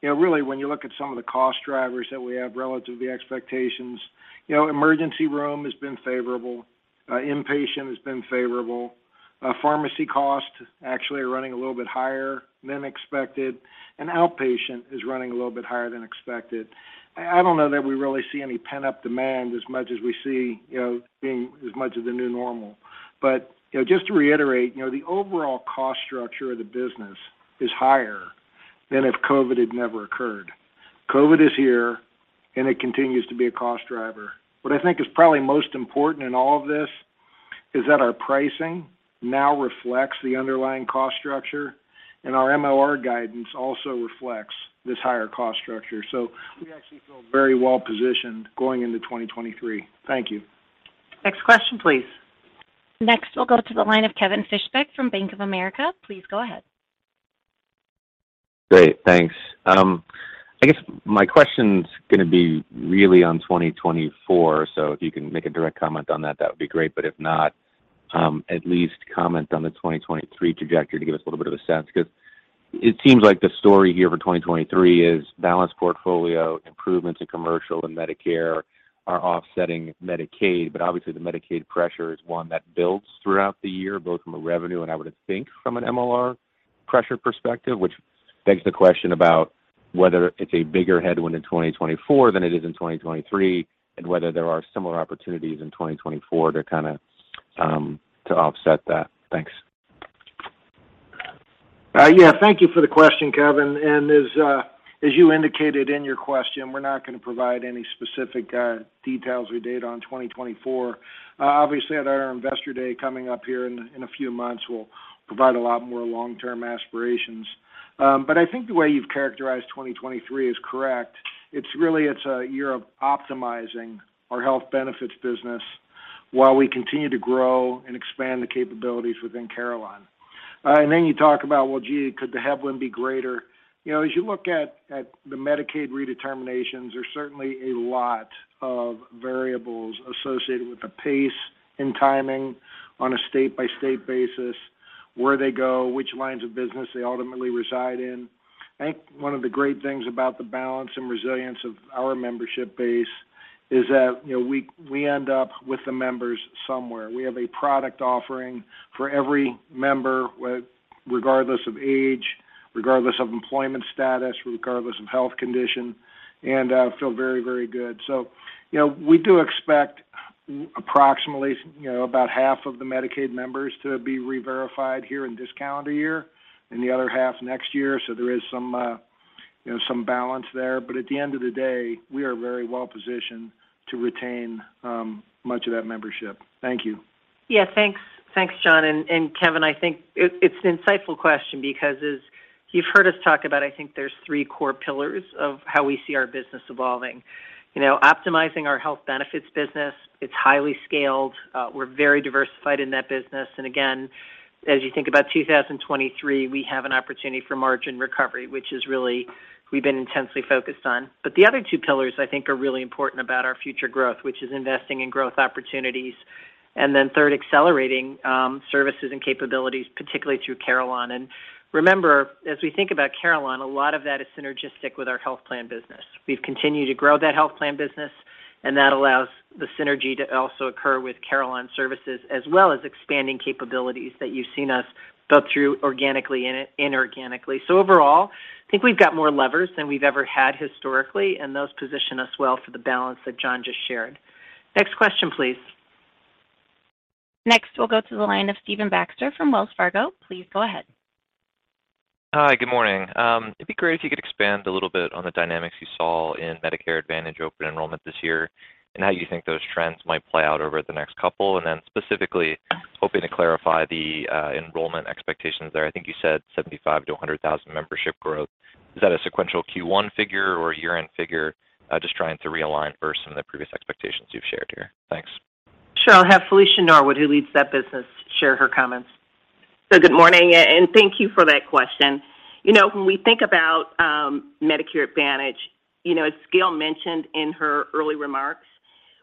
you know, really when you look at some of the cost drivers that we have relative to the expectations, you know, emergency room has been favorable, inpatient has been favorable. Pharmacy costs actually are running a little bit higher than expected, and outpatient is running a little bit higher than expected. I don't know that we really see any pent-up demand as much as we see, you know, being as much of the new normal. You know, just to reiterate, you know, the overall cost structure of the business is higher than if COVID had never occurred. COVID is here, and it continues to be a cost driver. What I think is probably most important in all of this is that our pricing now reflects the underlying cost structure, and our MLR guidance also reflects this higher cost structure. We actually feel very well positioned going into 2023. Thank you. Next question, please. Next, we'll go to the line of Kevin Fischbeck from Bank of America. Please go ahead. Great. Thanks. I guess my question's gonna be really on 2024, so if you can make a direct comment on that would be great, if not, at least comment on the 2023 trajectory to give us a little bit of a sense because it seems like the story here for 2023 is balanced portfolio improvements in commercial and Medicare are offsetting Medicaid. Obviously the Medicaid pressure is one that builds throughout the year, both from a revenue and I would think from an MLR perspective. Pressure perspective, which begs the question about whether it's a bigger headwind in 2024 than it is in 2023, and whether there are similar opportunities in 2024 to kinda to offset that. Thanks. Yeah. Thank you for the question, Kevin. As you indicated in your question, we're not gonna provide any specific details we did on 2024. Obviously at our Investor Day coming up here in a few months, we'll provide a lot more long-term aspirations. I think the way you've characterized 2023 is correct. It's really, it's a year of optimizing our health benefits business while we continue to grow and expand the capabilities within Carelon. You talk about, well, gee, could the headwind be greater? You know, as you look at the Medicaid redeterminations, there's certainly a lot of variables associated with the pace and timing on a state-by-state basis, where they go, which lines of business they ultimately reside in. I think one of the great things about the balance and resilience of our membership base is that, you know, we end up with the members somewhere. We have a product offering for every member, regardless of age, regardless of employment status, regardless of health condition, and feel very good. We do expect approximately, you know, about half of the Medicaid members to be reverified here in this calendar year and the other half next year. There is some, you know, some balance there. But at the end of the day, we are very well positioned to retain much of that membership. Thank you. Yeah, thanks. Thanks, John. Kevin, I think it's an insightful question because as you've heard us talk about, I think there's three core pillars of how we see our business evolving. You know, optimizing our health benefits business, it's highly scaled, we're very diversified in that business. Again, as you think about 2023, we have an opportunity for margin recovery, which is really we've been intensely focused on. The other two pillars I think are really important about our future growth, which is investing in growth opportunities, then third, accelerating services and capabilities, particularly through Carelon. Remember, as we think about Carelon, a lot of that is synergistic with our health plan business. We've continued to grow that health plan business, and that allows the synergy to also occur with Carelon Services, as well as expanding capabilities that you've seen us build through organically and inorganically. Overall, I think we've got more levers than we've ever had historically, and those position us well for the balance that John just shared. Next question, please. Next, we'll go to the line of Stephen Baxter from Wells Fargo. Please go ahead. Hi, good morning. It'd be great if you could expand a little bit on the dynamics you saw in Medicare Advantage open enrollment this year and how you think those trends might play out over the next couple. Specifically, hoping to clarify the enrollment expectations there. I think you said 75,000-100,000 membership growth. Is that a sequential Q1 figure or a year-end figure? Just trying to realign versus the previous expectations you've shared here. Thanks. Sure. I'll have Felicia Norwood, who leads that business, share her comments. Good morning, and thank you for that question. You know, when we think about Medicare Advantage, you know, as Gail mentioned in her early remarks,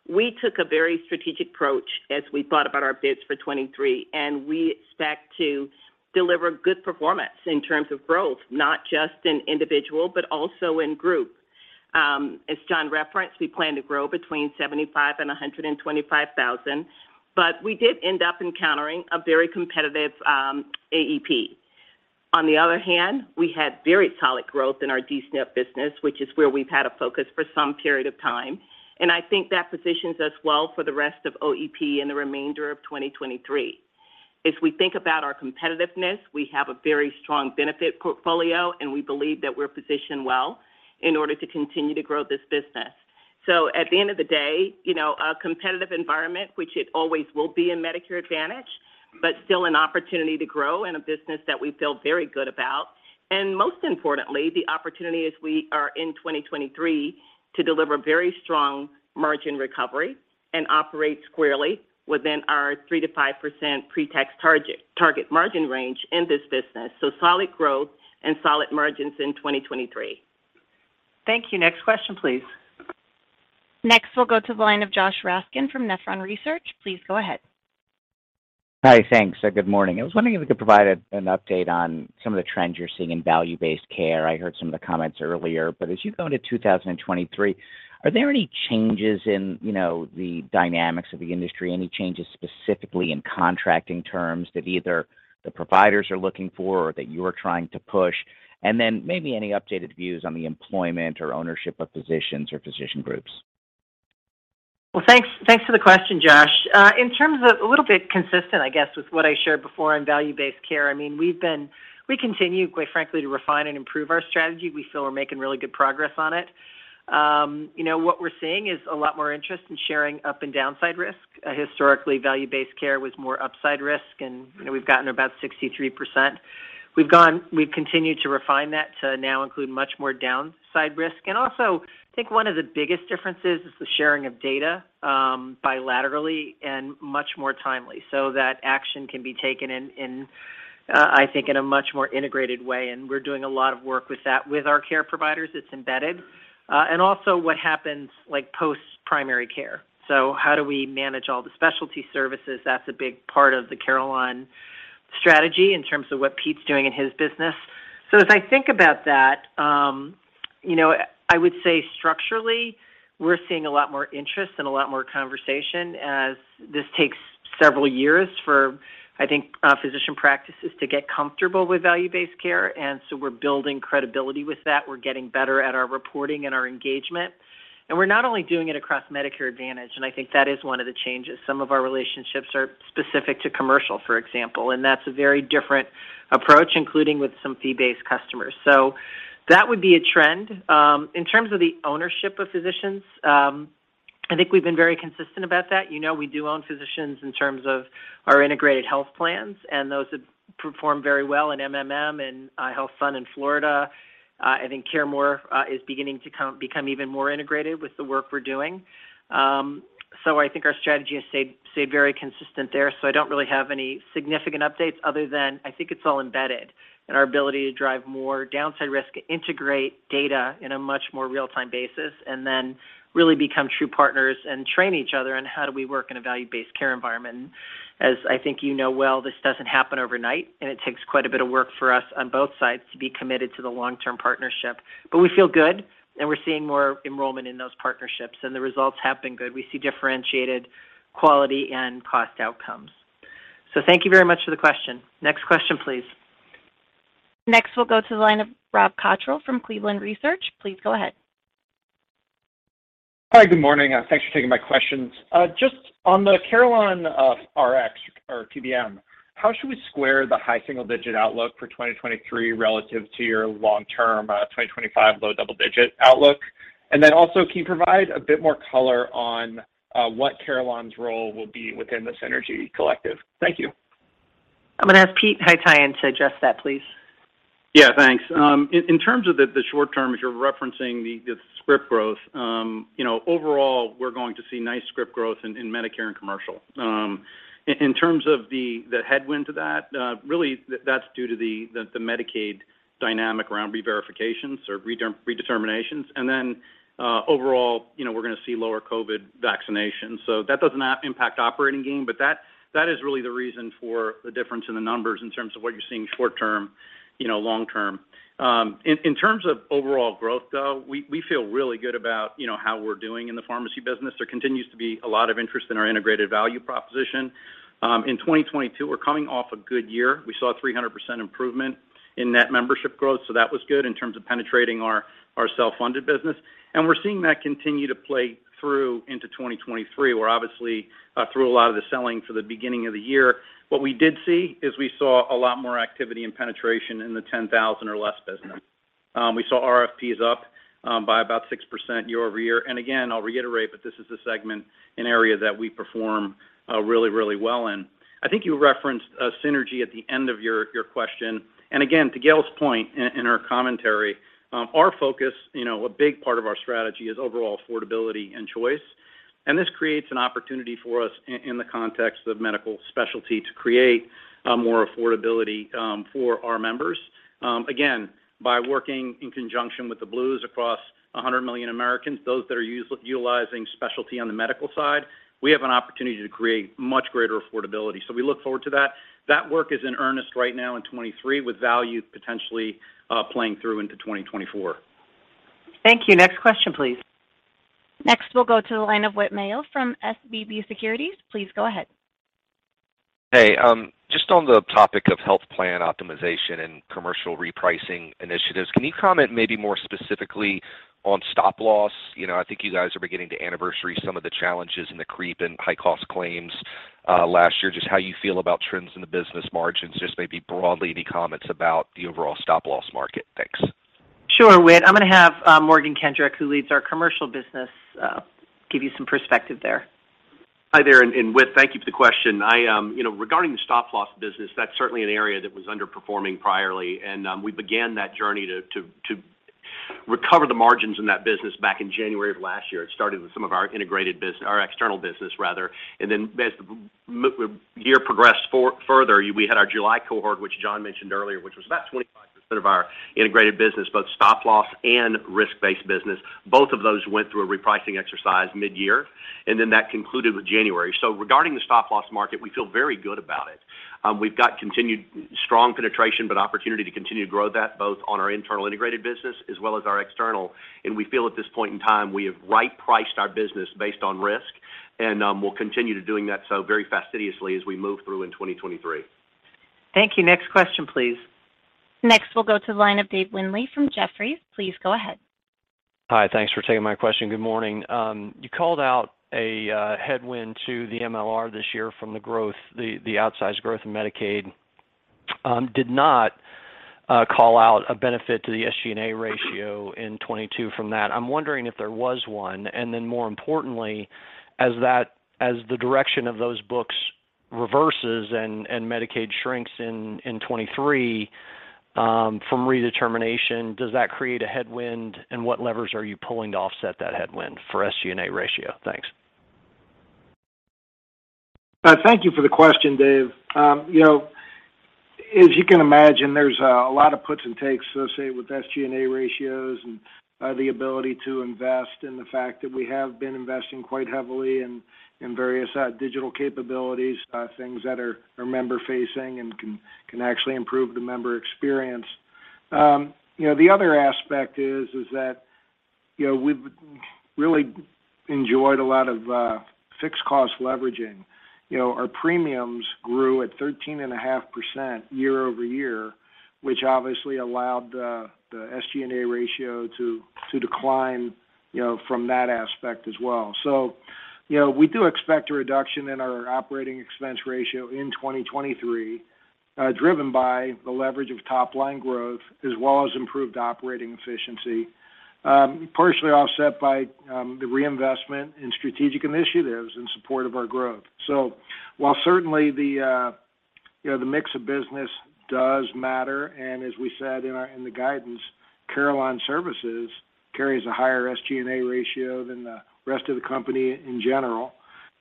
we took a very strategic approach as we thought about our bids for 2023, and we expect to deliver good performance in terms of growth, not just in individual, but also in group. As John referenced, we plan to grow between 75,000 and 125,000. We did end up encountering a very competitive AEP. On the other hand, we had very solid growth in our DSNP business, which is where we've had a focus for some period of time. I think that positions us well for the rest of OEP in the remainder of 2023. As we think about our competitiveness, we have a very strong benefit portfolio, and we believe that we're positioned well in order to continue to grow this business. At the end of the day, you know, a competitive environment, which it always will be in Medicare Advantage, but still an opportunity to grow in a business that we feel very good about. Most importantly, the opportunity as we are in 2023 to deliver very strong margin recovery and operate squarely within our 3%-5% pre-tax target margin range in this business. Solid growth and solid margins in 2023. Thank you. Next question, please. Next, we'll go to the line of Joshua Raskin from Nephron Research. Please go ahead. Hi, thanks. Good morning. I was wondering if you could provide an update on some of the trends you're seeing in value-based care. I heard some of the comments earlier. As you go into 2023, are there any changes in, you know, the dynamics of the industry, any changes specifically in contracting terms that either the providers are looking for or that you're trying to push? Maybe any updated views on the employment or ownership of physicians or physician groups? Well, thanks for the question, Josh. In terms of a little bit consistent, I guess, with what I shared before in value-based care, I mean, we continue, quite frankly, to refine and improve our strategy. We feel we're making really good progress on it. You know, what we're seeing is a lot more interest in sharing up and downside risk. Historically, value-based care was more upside risk, and, you know, we've gotten about 63%. We've continued to refine that to now include much more downside risk. Also, I think one of the biggest differences is the sharing of data, bilaterally and much more timely so that action can be taken in, I think in a much more integrated way. We're doing a lot of work with that with our care providers, it's embedded. Also what happens like post-primary care. How do we manage all the specialty services? That's a big part of the Carelon strategy in terms of what Pete's doing in his business. As I think about that, you know, I would say structurally, we're seeing a lot more interest and a lot more conversation as this takes several years for, I think, physician practices to get comfortable with value-based care. We're building credibility with that. We're getting better at our reporting and our engagement. We're not only doing it across Medicare Advantage, and I think that is one of the changes. Some of our relationships are specific to commercial, for example, and that's a very different approach, including with some fee-based customers. That would be a trend. In terms of the ownership of physicians, I think we've been very consistent about that. You know, we do own physicians in terms of our integrated health plans, and those have performed very well in MMM and HealthSun in Florida. I think CareMore is beginning to become even more integrated with the work we're doing. So I think our strategy has stayed very consistent there. So I don't really have any significant updates other than I think it's all embedded in our ability to drive more downside risk, integrate data in a much more real-time basis, and then really become true partners and train each other on how do we work in a value-based care environment. As I think you know well, this doesn't happen overnight, and it takes quite a bit of work for us on both sides to be committed to the long-term partnership. We feel good, and we're seeing more enrollment in those partnerships, and the results have been good. We see differentiated quality and cost outcomes. Thank you very much for the question. Next question, please. Next, we'll go to the line of Rob Cottrell from Cleveland Research. Please go ahead. Hi, good morning. Thanks for taking my questions. Just on the CarelonRx or PBM, how should we square the high single-digit outlook for 2023 relative to your long-term, 2025 low double-digit outlook? Then also, can you provide a bit more color on what Carelon's role will be within the Synergie Collective? Thank you. I'm going to ask Pete Haytaian to address that, please. Yeah, thanks. In terms of the short term, as you're referencing the script growth, you know, overall, we're going to see nice script growth in Medicare and commercial. In terms of the headwind to that, really, that's due to the Medicaid dynamic around reverifications or redeterminations. Overall, you know, we're going to see lower COVID vaccinations. That doesn't impact operating gain, but that is really the reason for the difference in the numbers in terms of what you're seeing short term, you know, long term. In terms of overall growth, though, we feel really good about, you know, how we're doing in the pharmacy business. There continues to be a lot of interest in our integrated value proposition. In 2022, we're coming off a good year. We saw 300% improvement in net membership growth, so that was good in terms of penetrating our self-funded business. We're seeing that continue to play through into 2023. We're obviously through a lot of the selling for the beginning of the year. What we did see is we saw a lot more activity and penetration in the 10,000 or less business. We saw RFPs up by about 6% year-over-year. Again, I'll reiterate, but this is a segment, an area that we perform really, really well in. I think you referenced synergy at the end of your question. Again, to Gail's point in her commentary, our focus, you know, a big part of our strategy is overall affordability and choice. This creates an opportunity for us in the context of medical specialty to create more affordability for our members. Again, by working in conjunction with the Blues across 100 million Americans, those that are utilizing specialty on the medical side, we have an opportunity to create much greater affordability. We look forward to that. That work is in earnest right now in 2023, with value potentially playing through into 2024. Thank you. Next question, please. Next, we'll go to the line of Whit Mayo from SVB Securities. Please go ahead. Hey, just on the topic of health plan optimization and commercial repricing initiatives, can you comment maybe more specifically on stop loss? You know, I think you guys are beginning to anniversary some of the challenges and the creep in high-cost claims last year. Just how you feel about trends in the business margins, just maybe broadly any comments about the overall stop loss market. Thanks. Sure, Whit. I'm going to have Morgan Kendrick, who leads our commercial business, give you some perspective there. Hi there, and Whit, thank you for the question. I, you know, regarding the stop loss business, that's certainly an area that was underperforming priorly. We began that journey to recover the margins in that business back in January of last year. It started with some of our integrated our external business rather. As the year progressed further, we had our July cohort, which John mentioned earlier, which was about 25% of our integrated business, both stop loss and risk-based business. Both of those went through a repricing exercise mid-year, and then that concluded with January. Regarding the stop loss market, we feel very good about it. We've got continued strong penetration, opportunity to continue to grow that both on our internal integrated business as well as our external. we feel at this point in time, we have right-priced our business based on risk, and we'll continue to doing that so very fastidiously as we move through in 2023. Thank you. Next question, please. Next, we'll go to the line of Dave Windley from Jefferies. Please go ahead. Hi. Thanks for taking my question. Good morning. You called out a headwind to the MLR this year from the outsized growth in Medicaid. Did not call out a benefit to the SG&A ratio in 22 from that. I'm wondering if there was one, and then more importantly, as the direction of those books reverses and Medicaid shrinks in 23 from redetermination, does that create a headwind? What levers are you pulling to offset that headwind for SG&A ratio? Thanks. Thank you for the question, Dave. You know, as you can imagine, there's a lot of puts and takes associated with SG&A ratios and the ability to invest, and the fact that we have been investing quite heavily in various digital capabilities, things that are member-facing and can actually improve the member experience. You know, the other aspect is that You know, we've really enjoyed a lot of fixed cost leveraging. You know, our premiums grew at 13.5% year-over-year, which obviously allowed the SG&A ratio to decline, you know, from that aspect as well. You know, we do expect a reduction in our operating expense ratio in 2023, driven by the leverage of top line growth as well as improved operating efficiency, partially offset by the reinvestment in strategic initiatives in support of our growth. While certainly the, you know, the mix of business does matter, and as we said in the guidance, Carelon Services carries a higher SG&A ratio than the rest of the company in general,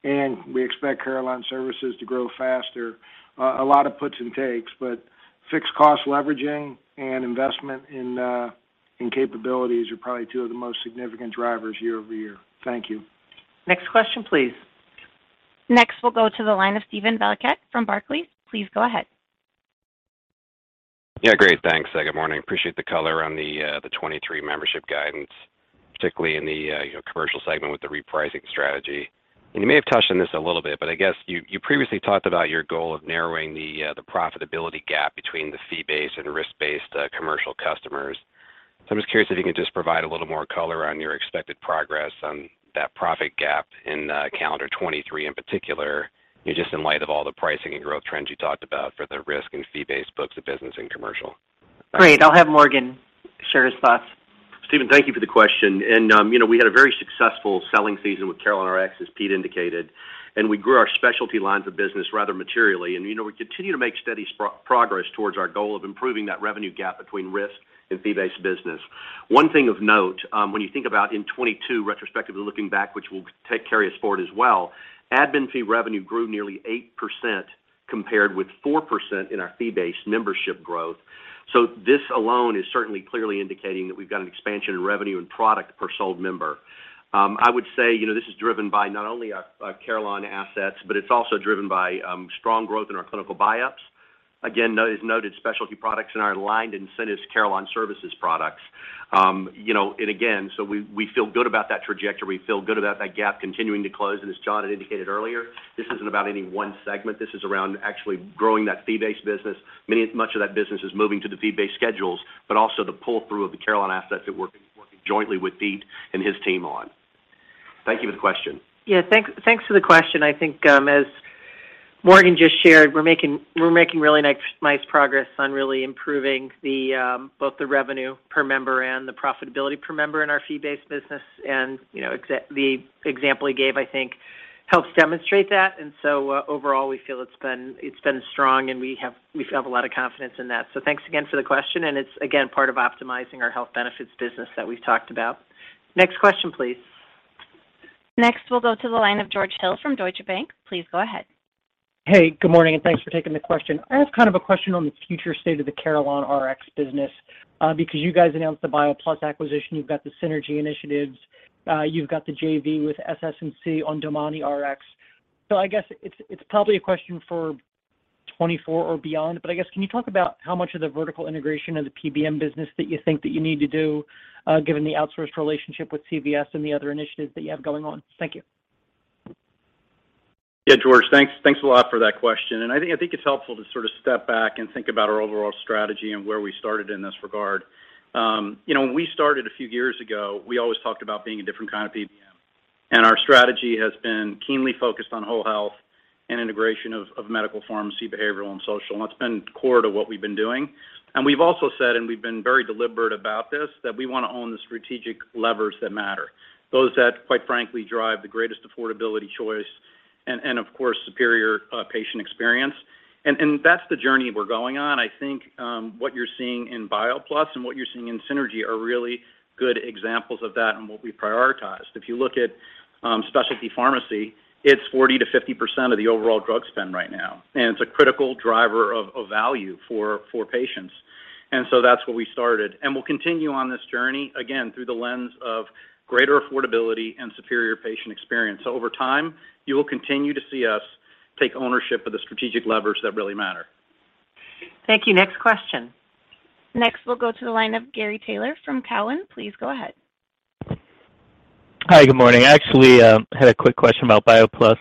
and we expect Carelon Services to grow faster. A lot of puts and takes, but fixed cost leveraging and investment in capabilities are probably two of the most significant drivers year-over-year. Thank you. Next question, please. We'll go to the line of Steven Valiquette from Barclays. Please go ahead. Yeah. Great. Thanks. Good morning. Appreciate the color on the 23 membership guidance, particularly in the, you know, commercial segment with the repricing strategy. You may have touched on this a little bit, but I guess you previously talked about your goal of narrowing the profitability gap between the fee-based and risk-based commercial customers. I'm just curious if you can just provide a little more color on your expected progress on that profit gap in calendar 2023 in particular, you know, just in light of all the pricing and growth trends you talked about for the risk and fee-based books of business and commercial? Great. I'll have Morgan share his thoughts. Steven, thank you for the question. You know, we had a very successful selling season with CarelonRx, as Pete indicated, and we grew our specialty lines of business rather materially. You know, we continue to make steady progress towards our goal of improving that revenue gap between risk and fee-based business. One thing of note, when you think about in 2022, retrospectively looking back, which will carry us forward as well, admin fee revenue grew nearly 8%, compared with 4% in our fee-based membership growth. This alone is certainly clearly indicating that we've got an expansion in revenue and product per sold member. I would say, you know, this is driven by not only our Carelon assets, but it's also driven by strong growth in our clinical buy-ups. Again, as noted, specialty products in our aligned incentives, Carelon Services products. You know, again, so we feel good about that trajectory. We feel good about that gap continuing to close. As John had indicated earlier, this isn't about any one segment. This is around actually growing that fee-based business. Much of that business is moving to the fee-based schedules, but also the pull-through of the Carelon assets that we're working jointly with Pete and his team on. Thank you for the question. Yeah. Thanks for the question. I think, as Morgan just shared, we're making really nice progress on really improving the both the revenue per member and the profitability per member in our fee-based business. You know, the example he gave, I think helps demonstrate that. Overall, we feel it's been strong, and we have a lot of confidence in that. Thanks again for the question, and it's, again, part of optimizing our health benefits business that we've talked about. Next question, please. Next, we'll go to the line of George Hill from Deutsche Bank. Please go ahead. Hey, good morning, and thanks for taking the question. I have kind of a question on the future state of the CarelonRx business, because you guys announced the BioPlus acquisition, you've got the synergy initiatives, you've got the JV with SS&C on DomaniRx. I guess it's probably a question for 2024 or beyond, but I guess, can you talk about how much of the vertical integration of the PBM business that you think that you need to do, given the outsourced relationship with CVS and the other initiatives that you have going on? Thank you. Yeah. George, thanks a lot for that question. I think it's helpful to sort of step back and think about our overall strategy and where we started in this regard. You know, when we started a few years ago, we always talked about being a different kind of PBM, and our strategy has been keenly focused on whole health and integration of medical, pharmacy, behavioral, and social, and that's been core to what we've been doing. We've also said, and we've been very deliberate about this, that we wanna own the strategic levers that matter, those that, quite frankly, drive the greatest affordability choice and, of course, superior patient experience. That's the journey we're going on. I think what you're seeing in BioPlus and what you're seeing in Synergy are really good examples of that and what we prioritized. If you look at specialty pharmacy, it's 40%-50% of the overall drug spend right now, and it's a critical driver of value for patients. That's where we started. We'll continue on this journey, again, through the lens of greater affordability and superior patient experience. Over time, you will continue to see us take ownership of the strategic levers that really matter. Thank you. Next question. Next, we'll go to the line of Gary Taylor from Cowen. Please go ahead. Hi, good morning. I actually had a quick question about BioPlus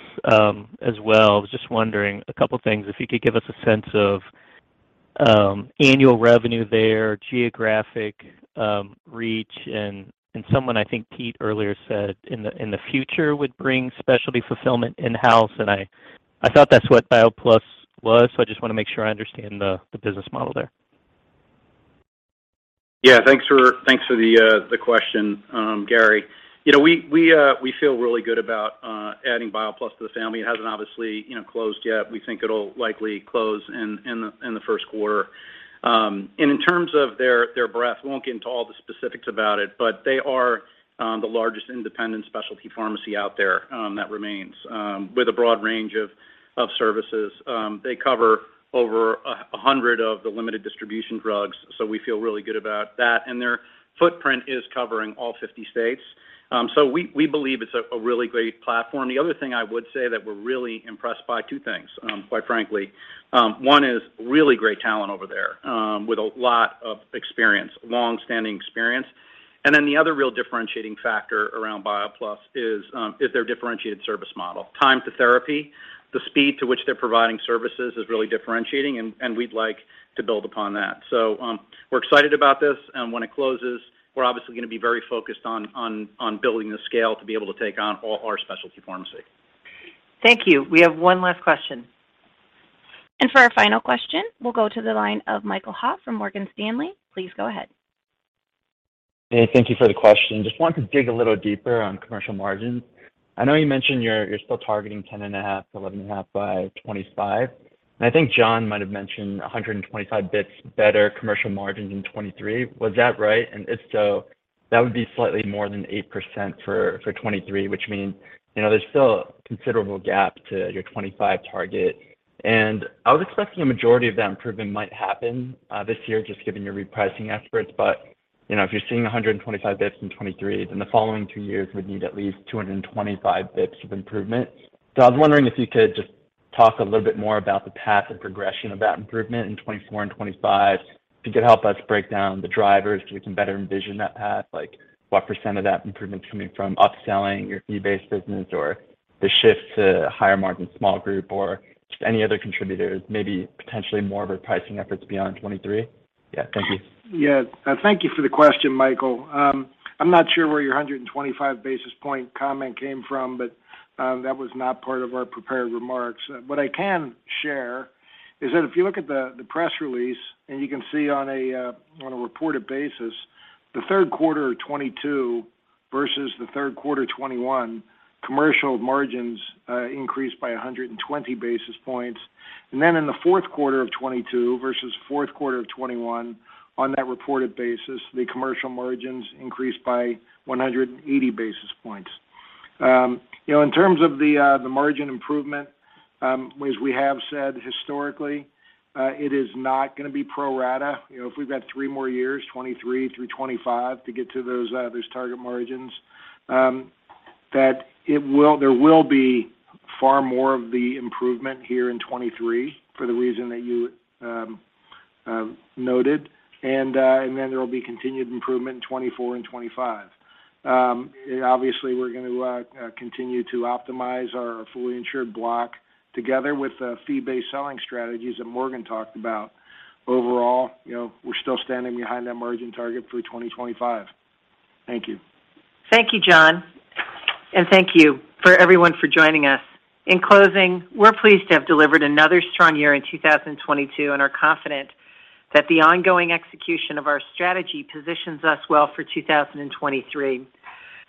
as well. I was just wondering a couple things, if you could give us a sense of annual revenue there, geographic reach, and someone, I think Pete earlier said in the future would bring specialty fulfillment in-house, and I thought that's what BioPlus was, so I just wanna make sure I understand the business model there. Thanks for the question, Gary. You know, we feel really good about adding BioPlus to the family. It hasn't obviously, you know, closed yet. We think it'll likely close in the first quarter. In terms of their breadth, I won't get into all the specifics about it, but they are the largest independent specialty pharmacy out there that remains with a broad range of services. They cover over 100 of the limited distribution drugs, so we feel really good about that. Their footprint is covering all 50 states. We believe it's a really great platform. The other thing I would say that we're really impressed by two things, quite frankly. One is really great talent over there with a lot of experience, long-standing experience. The other real differentiating factor around BioPlus is their differentiated service model. Time to therapy, the speed to which they're providing services is really differentiating, and we'd like to build upon that. We're excited about this, and when it closes, we're obviously gonna be very focused on building the scale to be able to take on all our specialty pharmacy. Thank you. We have one last question. For our final question, we'll go to the line of Michael Hall from Morgan Stanley. Please go ahead. Hey, thank you for the question. Just wanted to dig a little deeper on commercial margins. I know you mentioned you're still targeting 10.5, 11.5 by 2025. I think John might have mentioned 125 basis points better commercial margins in 2023. Was that right? If so, that would be slightly more than 8% for 2023, which means, you know, there's still a considerable gap to your 2025 target. I was expecting a majority of that improvement might happen this year, just given your repricing efforts. You know, if you're seeing 125 basis points in 2023, then the following two years would need at least 225 basis points of improvement. I was wondering if you could just talk a little bit more about the path and progression of that improvement in 2024 and 2025. If you could help us break down the drivers so we can better envision that path, like what % of that improvement's coming from upselling your fee-based business or the shift to higher margin small group or just any other contributors, maybe potentially more of a pricing efforts beyond 2023? Yeah. Thank you. Yes. Thank you for the question, Michael. I'm not sure where your 125 basis point comment came from, that was not part of our prepared remarks. What I can share is that if you look at the press release, you can see on a reported basis, the third quarter of 2022 versus the third quarter of 2021, commercial margins increased by 120 basis points. In the fourth quarter of 2022 versus fourth quarter of 2021, on that reported basis, the commercial margins increased by 180 basis points. You know, in terms of the margin improvement, as we have said historically, it is not gonna be pro rata. You know, if we've got three more years, 2023 through 2025, to get to those target margins, there will be far more of the improvement here in 2023 for the reason that you noted. There will be continued improvement in 2024 and 2025. Obviously we're gonna continue to optimize our fully insured block together with the fee-based selling strategies that Morgan talked about. Overall, you know, we're still standing behind that margin target through 2025. Thank you. Thank you, John. Thank you for everyone for joining us. In closing, we're pleased to have delivered another strong year in 2022 and are confident that the ongoing execution of our strategy positions us well for 2023.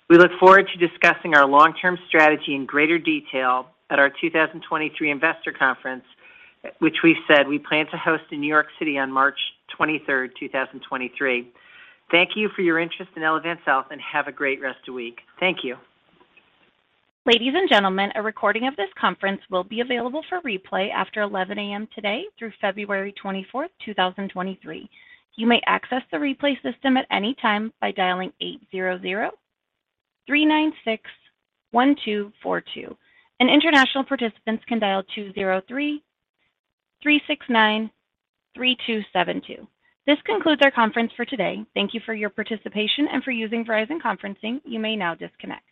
We look forward to discussing our long-term strategy in greater detail at our 2023 investor conference, which we said we plan to host in New York City on March 23rd, 2023. Thank you for your interest in Elevance Health and have a great rest of week. Thank you. Ladies and gentlemen, a recording of this conference will be available for replay after 11:00 A.M. today through February 24, 2023. You may access the replay system at any time by dialing 800-396-1242. International participants can dial 203-369-3272. This concludes our conference for today. Thank you for your participation and for using Verizon Conferencing. You may now disconnect.